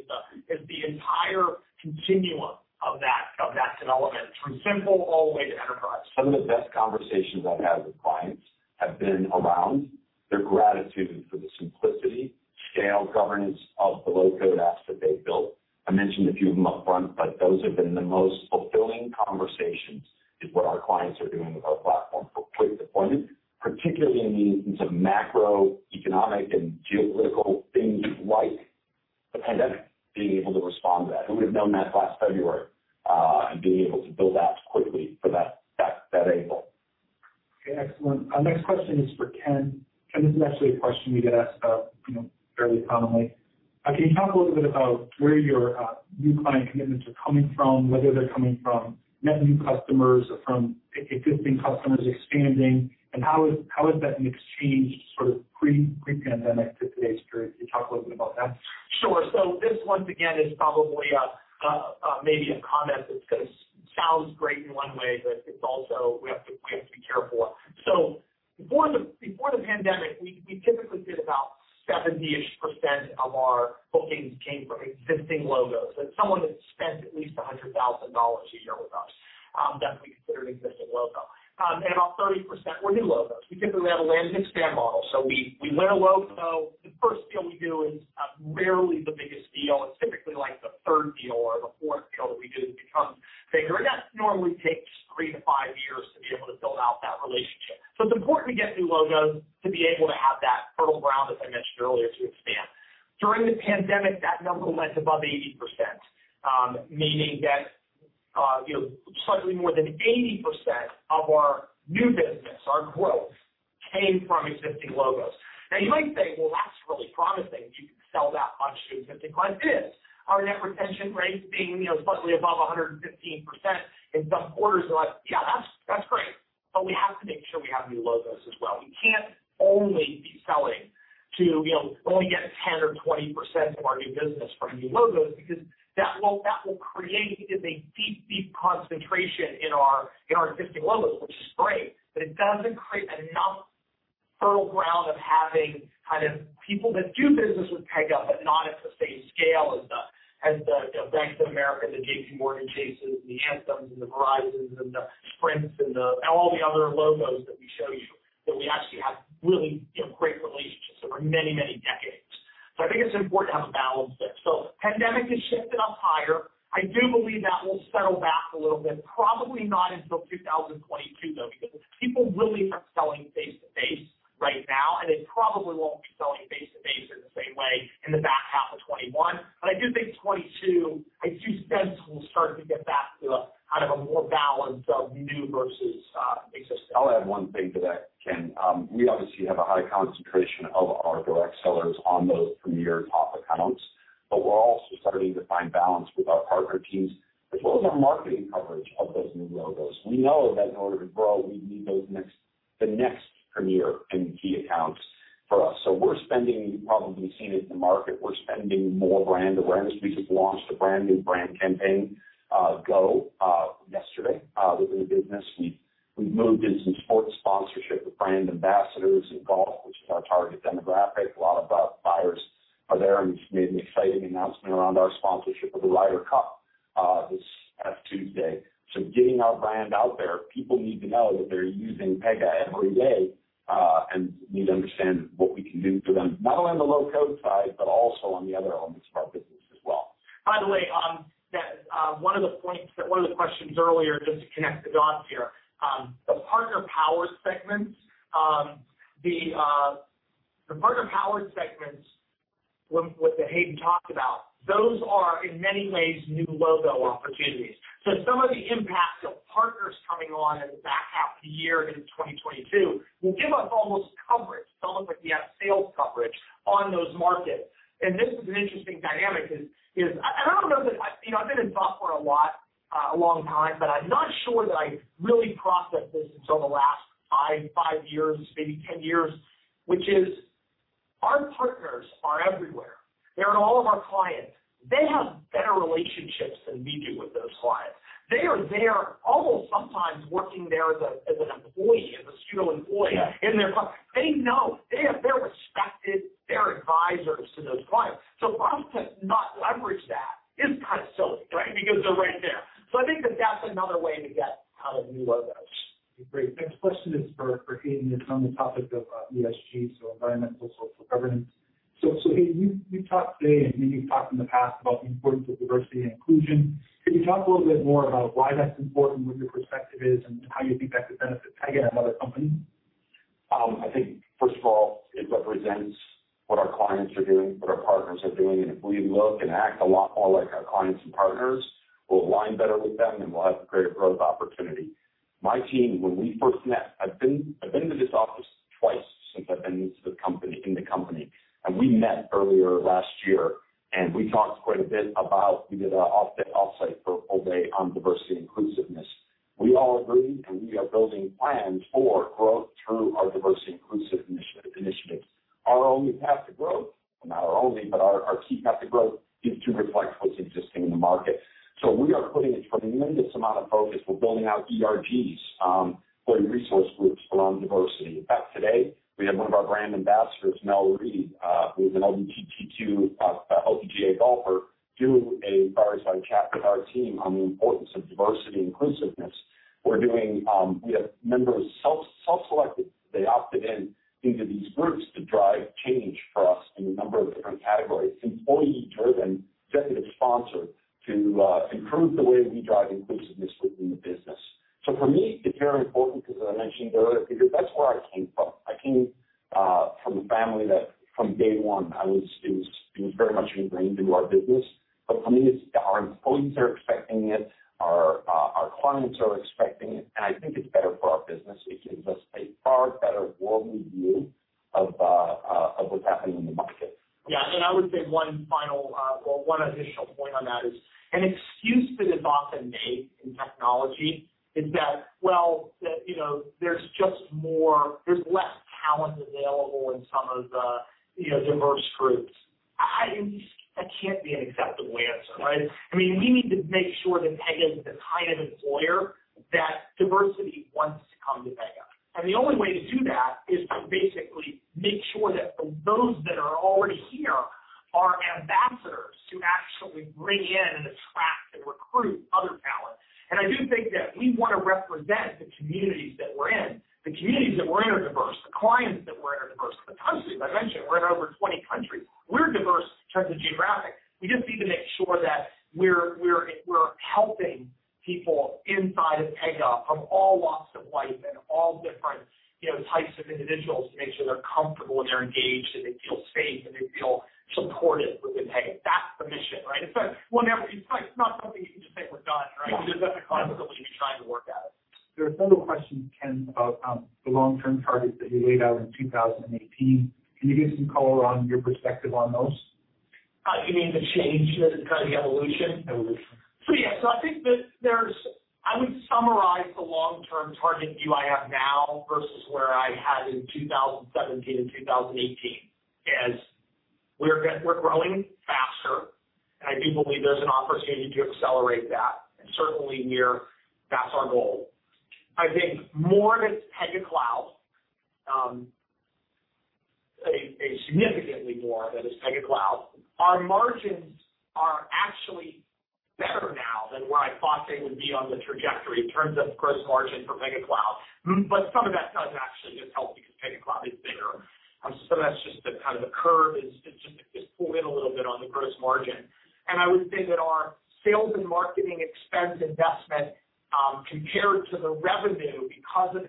as the entire continuum of that development from simple all the way to enterprise. Some of the best conversations I've had with clients have been around their gratitude for the simplicity, scale, governance of the low-code apps that they built. I mentioned a few of them upfront, but those have been the most fulfilling conversations is what our clients are doing with our platform for quick deployment, particularly in the instance of macroeconomic and geopolitical things like the pandemic, being able to respond to that. Who would've known that last February, and being able to build apps quickly for that angle. Okay, excellent. My next question is for Ken. Ken, this is actually a question we get asked fairly commonly. Can you talk a little bit about where your new client commitments are coming from, whether they're coming from net new customers or from existing customers expanding, and how has that mix changed pre-pandemic to today's period? Can you talk a little bit about that? Sure. This, once again, is probably maybe a comment that sounds great in one way, but we have to be careful. Before the pandemic, we typically get about 70-ish% of our bookings came from existing logos. Someone that spends at least $100,000 a year with us, that would be considered an existing logo. About 30% were new logos. We typically have a land and expand model. We win a logo. The first deal we do is rarely the biggest deal. It's typically the third deal or the fourth deal that we do that becomes bigger. That normally takes three to five years to be able to build out that relationship. It's important to get new logos to be able to have that fertile ground, as I mentioned earlier, to expand. During the pandemic, that number went above 80%, meaning that slightly more than 80% of our new business, our growth, came from existing logos. You might say, "Well, that's really promising that you can sell that much to existing clients." Our net retention rate being slightly above 115% in some quarters we're like, "Yeah, that's great." We have to make sure we have new logos as well. We can't only get 10% or 20% of our new business from new logos, because that will create a deep concentration in our existing logos, which is great. It doesn't create enough fertile ground of having kind of people that do business with Pega, but not at the same scale as the Bank of America, the JPMorgan Chase, and the Anthem, and the Verizon, and the Sprint, and all the other logos that we show you, that we actually have really great relationships over many decades. I think it's important to have a balance there. Pandemic has shifted up higher. I do believe that will settle back a little bit, probably not until 2022, though, because people really are selling face-to-face right now, and they probably won't be selling face-to-face in the same way in the back half of 2021. I do think 2022, I do think sales will start to get back to a more balance of new versus existing. I only have one thing to that, Ken. We obviously have a high concentration of our go-to-market sellers on those premier top accounts. We're also starting to find balance with our partner teams as well as our marketing coverage of those new logos. We know that in order to grow, we need the next premier and key accounts for us. We're spending, you've probably seen it in the market, we're spending more brand awareness. We just launched a brand new brand campaign, GO!, yesterday within the business. We've moved into some sports sponsorship with brand ambassadors in golf, which is our target demographic. A lot of buyers are there, we just made an exciting announcement around our sponsorship of the Ryder Cup this past Tuesday. Getting our brand out there. People need to know that they're using Pega every day, and need to understand what we can do for them, not only on the low-code side, but also on the other elements of our business as well. By the way, yeah, one of the questions earlier, just to connect the dots here. The partner power segments, what Hayden talked about, those are in many ways new logo opportunities. Some of the impact of partners coming on in the back half of the year into 2022 will give us almost coverage, tell them that we have sales coverage on those markets. This is an interesting dynamic. I've been in software a long time, but I'm not sure that I really processed this until the last five years, maybe 10 years, which is our partners are everywhere. They're at all of our clients. They have better relationships than we do with those clients. They are there almost sometimes working there as an employee, as a true employee. They know. They are respected. They are advisors to those clients. For us to not leverage that is kind of silly because they're right there. I think that that's another way to get new logos. Great. Next question is for Hayden. It's on the topic of ESG, so Environmental, Social, and Governance. Hayden, you talked today, and maybe you've talked in the past about the importance of diversity and inclusion. Can you talk a little bit more about why that's important, what your perspective is, and how you think that could benefit Pega and other companies? I think first of all, it represents what our clients are doing, what our partners are doing. If we look and act a lot more like our clients and partners, we'll align better with them and we'll have great growth opportunity. My team, when we first met, I've been to this office twice since I've been in the company. We met earlier last year and we talked quite a bit about, we did an offsite for a full day on diversity inclusiveness. We all agreed and we are building plans for growth through our diversity inclusive initiatives. Our only path to growth, not our only, but our key path to growth is to reflect what's existing in the market. We are putting a tremendous amount of focus. We're building out ERGs, employee resource groups around diversity. In fact, today we have one of our brand ambassadors, Mel Reid, who's an LPGA golfer, doing a fireside chat with our team on the importance of diversity inclusiveness. We have members self-selected. They opted in into these groups to drive change for us in a number of different categories. Employee driven, executive sponsored to improve the way we drive inclusiveness within the business. For me, it's very important because as I mentioned earlier, because that's where I came from. I came from a family that from day one, it was very much ingrained into our business. For me, it's our employees are expecting it, our clients are expecting it, and I think it's better for our business. It gives us a far better worldly view of what's happening in the market. Yeah. I would say one final or one additional point on that is an excuse that is often made in technology is that, well, there's less talent available in some of the diverse groups. That can't be an acceptable answer. We need to make sure that Pega is the kind of employer that diversity wants to come to Pega. The only way to do that is to basically make sure that those that are already here are ambassadors to actually bring in and attract and recruit other talent. I do think that we want to represent the communities that we're in, the communities that we're in are diverse, the clients that we're in are diverse, the countries. I mentioned we're in over 20 countries. We're diverse in terms of geographic. We just need to make sure that we're helping people inside of Pega from all walks of life and all different types of individuals to make sure they're comfortable and they're engaged and they feel safe and they feel supported within Pega. That's the mission. It's not something we can just say we're done. Yeah. It's constantly something we're trying to work at. There are several questions, Ken, about the long-term targets that you laid out in 2018. Can you give some color on your perspective on those? You mean the change, the evolution? Evolution. Yeah. I would summarize the long-term target view I have now versus where I had in 2017 and 2018 as we're growing faster. I do believe there's an opportunity to accelerate that. Certainly that's our goal. I think more that is Pega Cloud, significantly more that is Pega Cloud. Our margins are actually better now than what I thought they would be on the trajectory in terms of gross margin for Pega Cloud. Some of that's actually just helping because Pega Cloud is bigger. That's just the curve has just pulled in a little bit on the gross margin. I would say that our sales and marketing expense investment compared to the revenue because of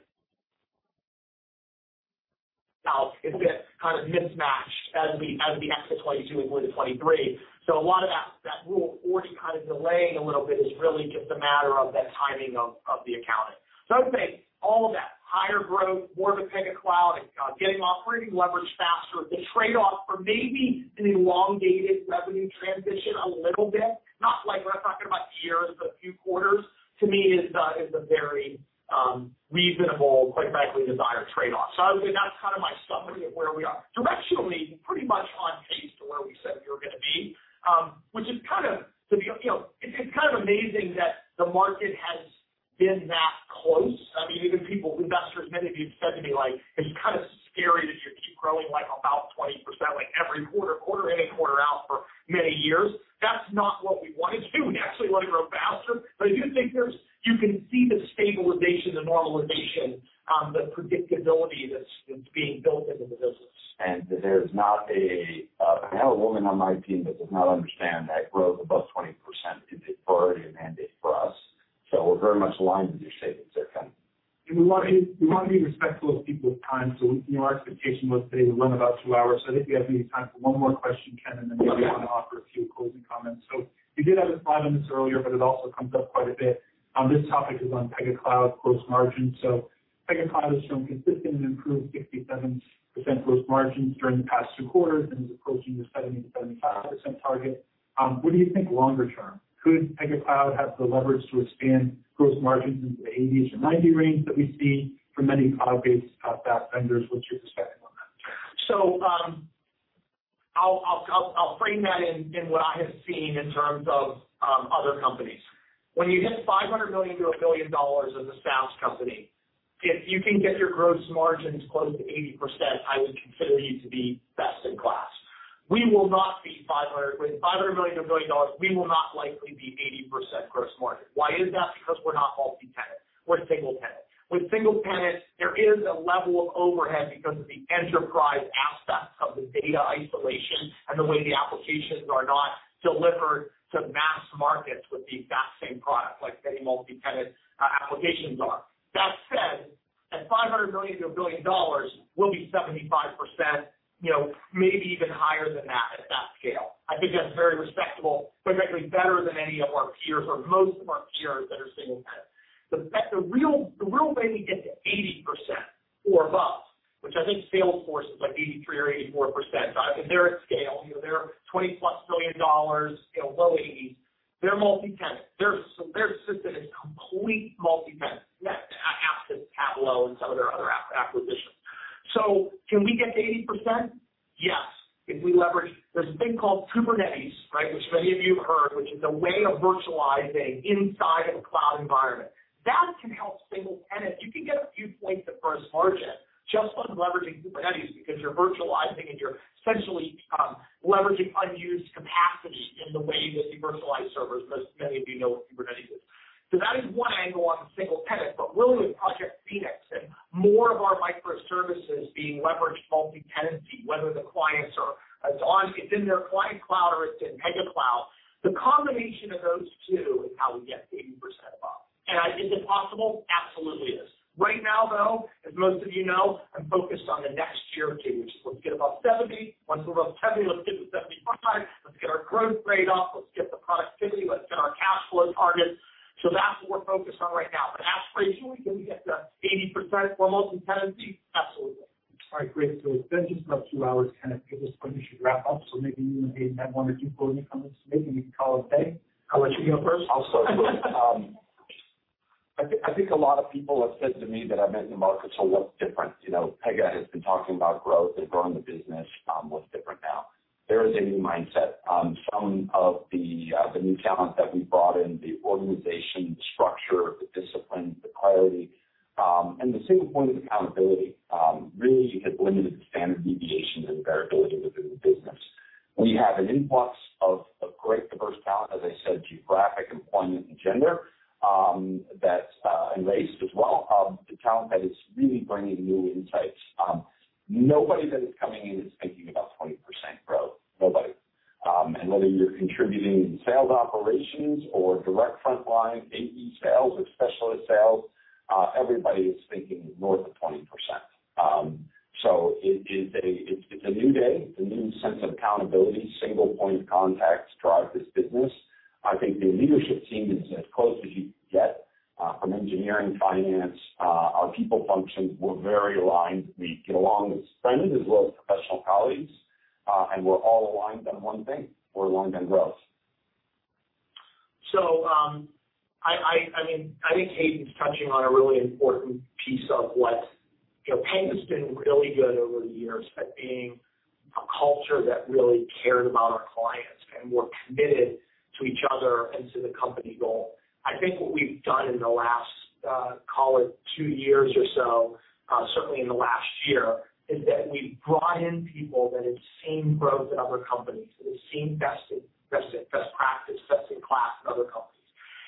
this kind of mismatch as we exit 2022 and go into 2023. A lot of that Rule of 40 kind of delaying a little bit is really just a matter of the timing of the accounting. I would say all that, higher growth, more to Pega Cloud, getting operating leverage faster. The trade-off for maybe an elongated revenue transition a little bit, not like we're talking about years, but few quarters to me is a very reasonable, quite frankly, desired trade-off. I would say that's my summary of where we are. Directionally, pretty much on pace to where we said we were going to be. Which it's kind of amazing that the market has been that close. Even people, investors, many of you've said to me like, "It's kind of scary that you keep growing like about 20% every quarter in and quarter out for many years." That's not what we want to do. We naturally want to grow faster. I do think you can see the stabilization, the normalization, the predictability that's being built into the business. I have a woman on my team that does not understand that growth above 20% is already a mandate for us. We're very much aligned in your statement there, Ken. We want to be respectful of people's time. Our expectation was today to run about two hours. I think we have maybe time for one more question, Ken, and then you might want to offer a few closing comments. We did have this slide earlier, but it also comes up quite a bit. This topic is on Pega Cloud gross margin. Pega Cloud has shown consistent improved 57% gross margins during the past two quarters and is approaching the 77%-75% target. What do you think longer term? Could Pega Cloud have the leverage to expand gross margins into the 80s% or 90% range that we see for many cloud-based vendors? What's your perspective on that? I'll frame that in what I have seen in terms of other companies. When you hit $500 million-$1 billion as a SaaS company, if you can get your gross margins close to 80%, I would consider you to be best in class. With $500 million-$1 billion, we will not likely be 80% gross margin. Why is that? Because we're not multi-tenant, we're single-tenant. With single-tenant, there is a level of overhead because of the enterprise aspect, data isolation and the way the applications are not delivered to mass markets with the exact same product like many multi-tenant applications are. That said, at $500 million-$1 billion, we'll be 75%, maybe even higher than that at that scale. I think that's very respectable, significantly better than any of our peers or most of our peers that are single-tenant. The real way we get to 80%, or above, which I think Salesforce is like 83% or 84%. They're at scale. They're at $20 billion+, low 80s%. They're multi-tenant. Their system is complete multi-tenant, except ClickSoftware and some of their other app acquisitions. Can we get to 80%? Yes, if we leverage this thing called Kubernetes, which many of you have heard, which is a way of virtualizing inside of a cloud environment. That can help single-tenant. You can get a few points of gross margin just on leveraging Kubernetes because you're virtualizing and you're essentially leveraging unused capacity in the way that you virtualize servers, as many of you know what Kubernetes is. That is one angle on single tenant, but really with Project fnx and more of our microservices being leveraged multitenancy, whether the clients are in their client cloud or it's in Pega Cloud, the combination of those two is how we get to 80% and above. Is it possible? Absolutely is. Right now, though, as most of you know, I'm focused on the next year or two. Let's get above 70%. Once we're above 70%, let's get to 75%. Let's get our growth rate up. Let's get the productivity. Let's get our cash flow targets. That's what we're focused on right now. Aspirationally, can we get to 80% for multitenancy? Absolutely. All right, great. It's been just about two hours, and I think at this point we should wrap up. Maybe you and Hayden have one or two closing comments to make, and we call it a day. I'll let you go first. I'll start. I think a lot of people have said to me that I've made the market a lot different. Pega has been talking about growth and growing the business. What's different now? There is a new mindset. Some of the new talent that we brought in, the organization, the structure, the discipline, the priority, and the single point of accountability, really have limited the standard deviation and variability within the business. We have an influx of great diverse talent, as I said, geographic, employment, and gender, that's embraced as well, the talent that is really bringing new insights. Nobody that is coming in is thinking about 20% growth. Nobody. Whether you're contributing in sales operations or direct frontline, AE sales or specialist sales, everybody is thinking north of 20%. It's a new day, a new sense of accountability. Single point of contacts drive this business. I think the leadership team is as close as you can get from engineering, finance. Our people functions, we're very aligned. We get along as friends as well as professional colleagues, and we're all aligned on one thing. We're aligned on growth. I think Hayden's touching on a really important piece of what Pega's been really good over the years at being a culture that really cares about our clients, and we're committed to each other and to the company goal. I think what we've done in the last, call it two years or so, certainly in the last year, is that we've brought in people that have seen growth in other companies. That have seen best practice, best in class in other companies.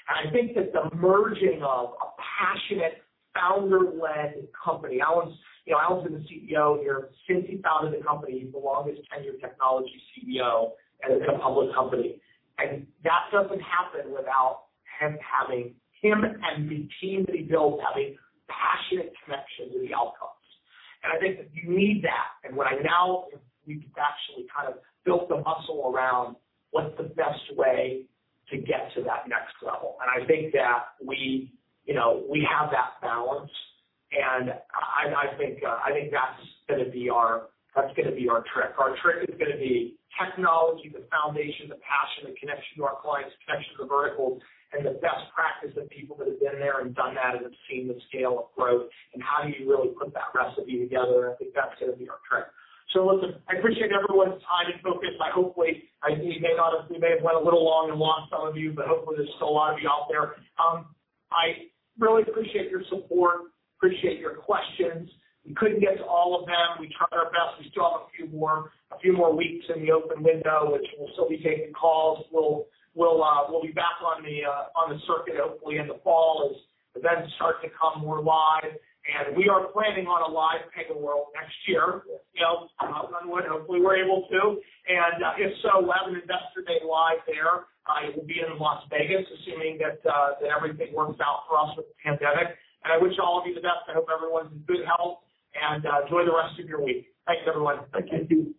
I think that the merging of a passionate founder-led company. Alan's been the CEO here of a founder-led company, the longest tenured technology CEO at a public company. That doesn't happen without him and the team that he built having passionate connection to the outcomes. I think that you need that. Right now, we've actually built the muscle around what's the best way to get to that next level. I think that we have that balance, and I think that's going to be our trick. Our trick is going to be technology, the foundation, the passion, the connection to our clients, connection to the verticals, and the best practice of people that have been there and done that at the same scale of growth, and how do you really put that recipe together? I think that's going to be our trick. Listen, I appreciate everyone's time and focus. We may have went a little long and lost some of you. Hopefully there's still a lot of you out there. I really appreciate your support, appreciate your questions. We couldn't get to all of them. We tried our best. We still have a few more weeks in the open window, which we'll still be taking calls. We'll be back on the circuit hopefully in the fall as events start to come more live. We are planning on a live PegaWorld next year, scale, whenever we were able to. If so, we'll have an Investor Day live there. It will be in Las Vegas, assuming that everything works out for us with the pandemic. I wish all of you the best. I hope everyone's in good health. Enjoy the rest of your week. Thanks, everyone. Thank you.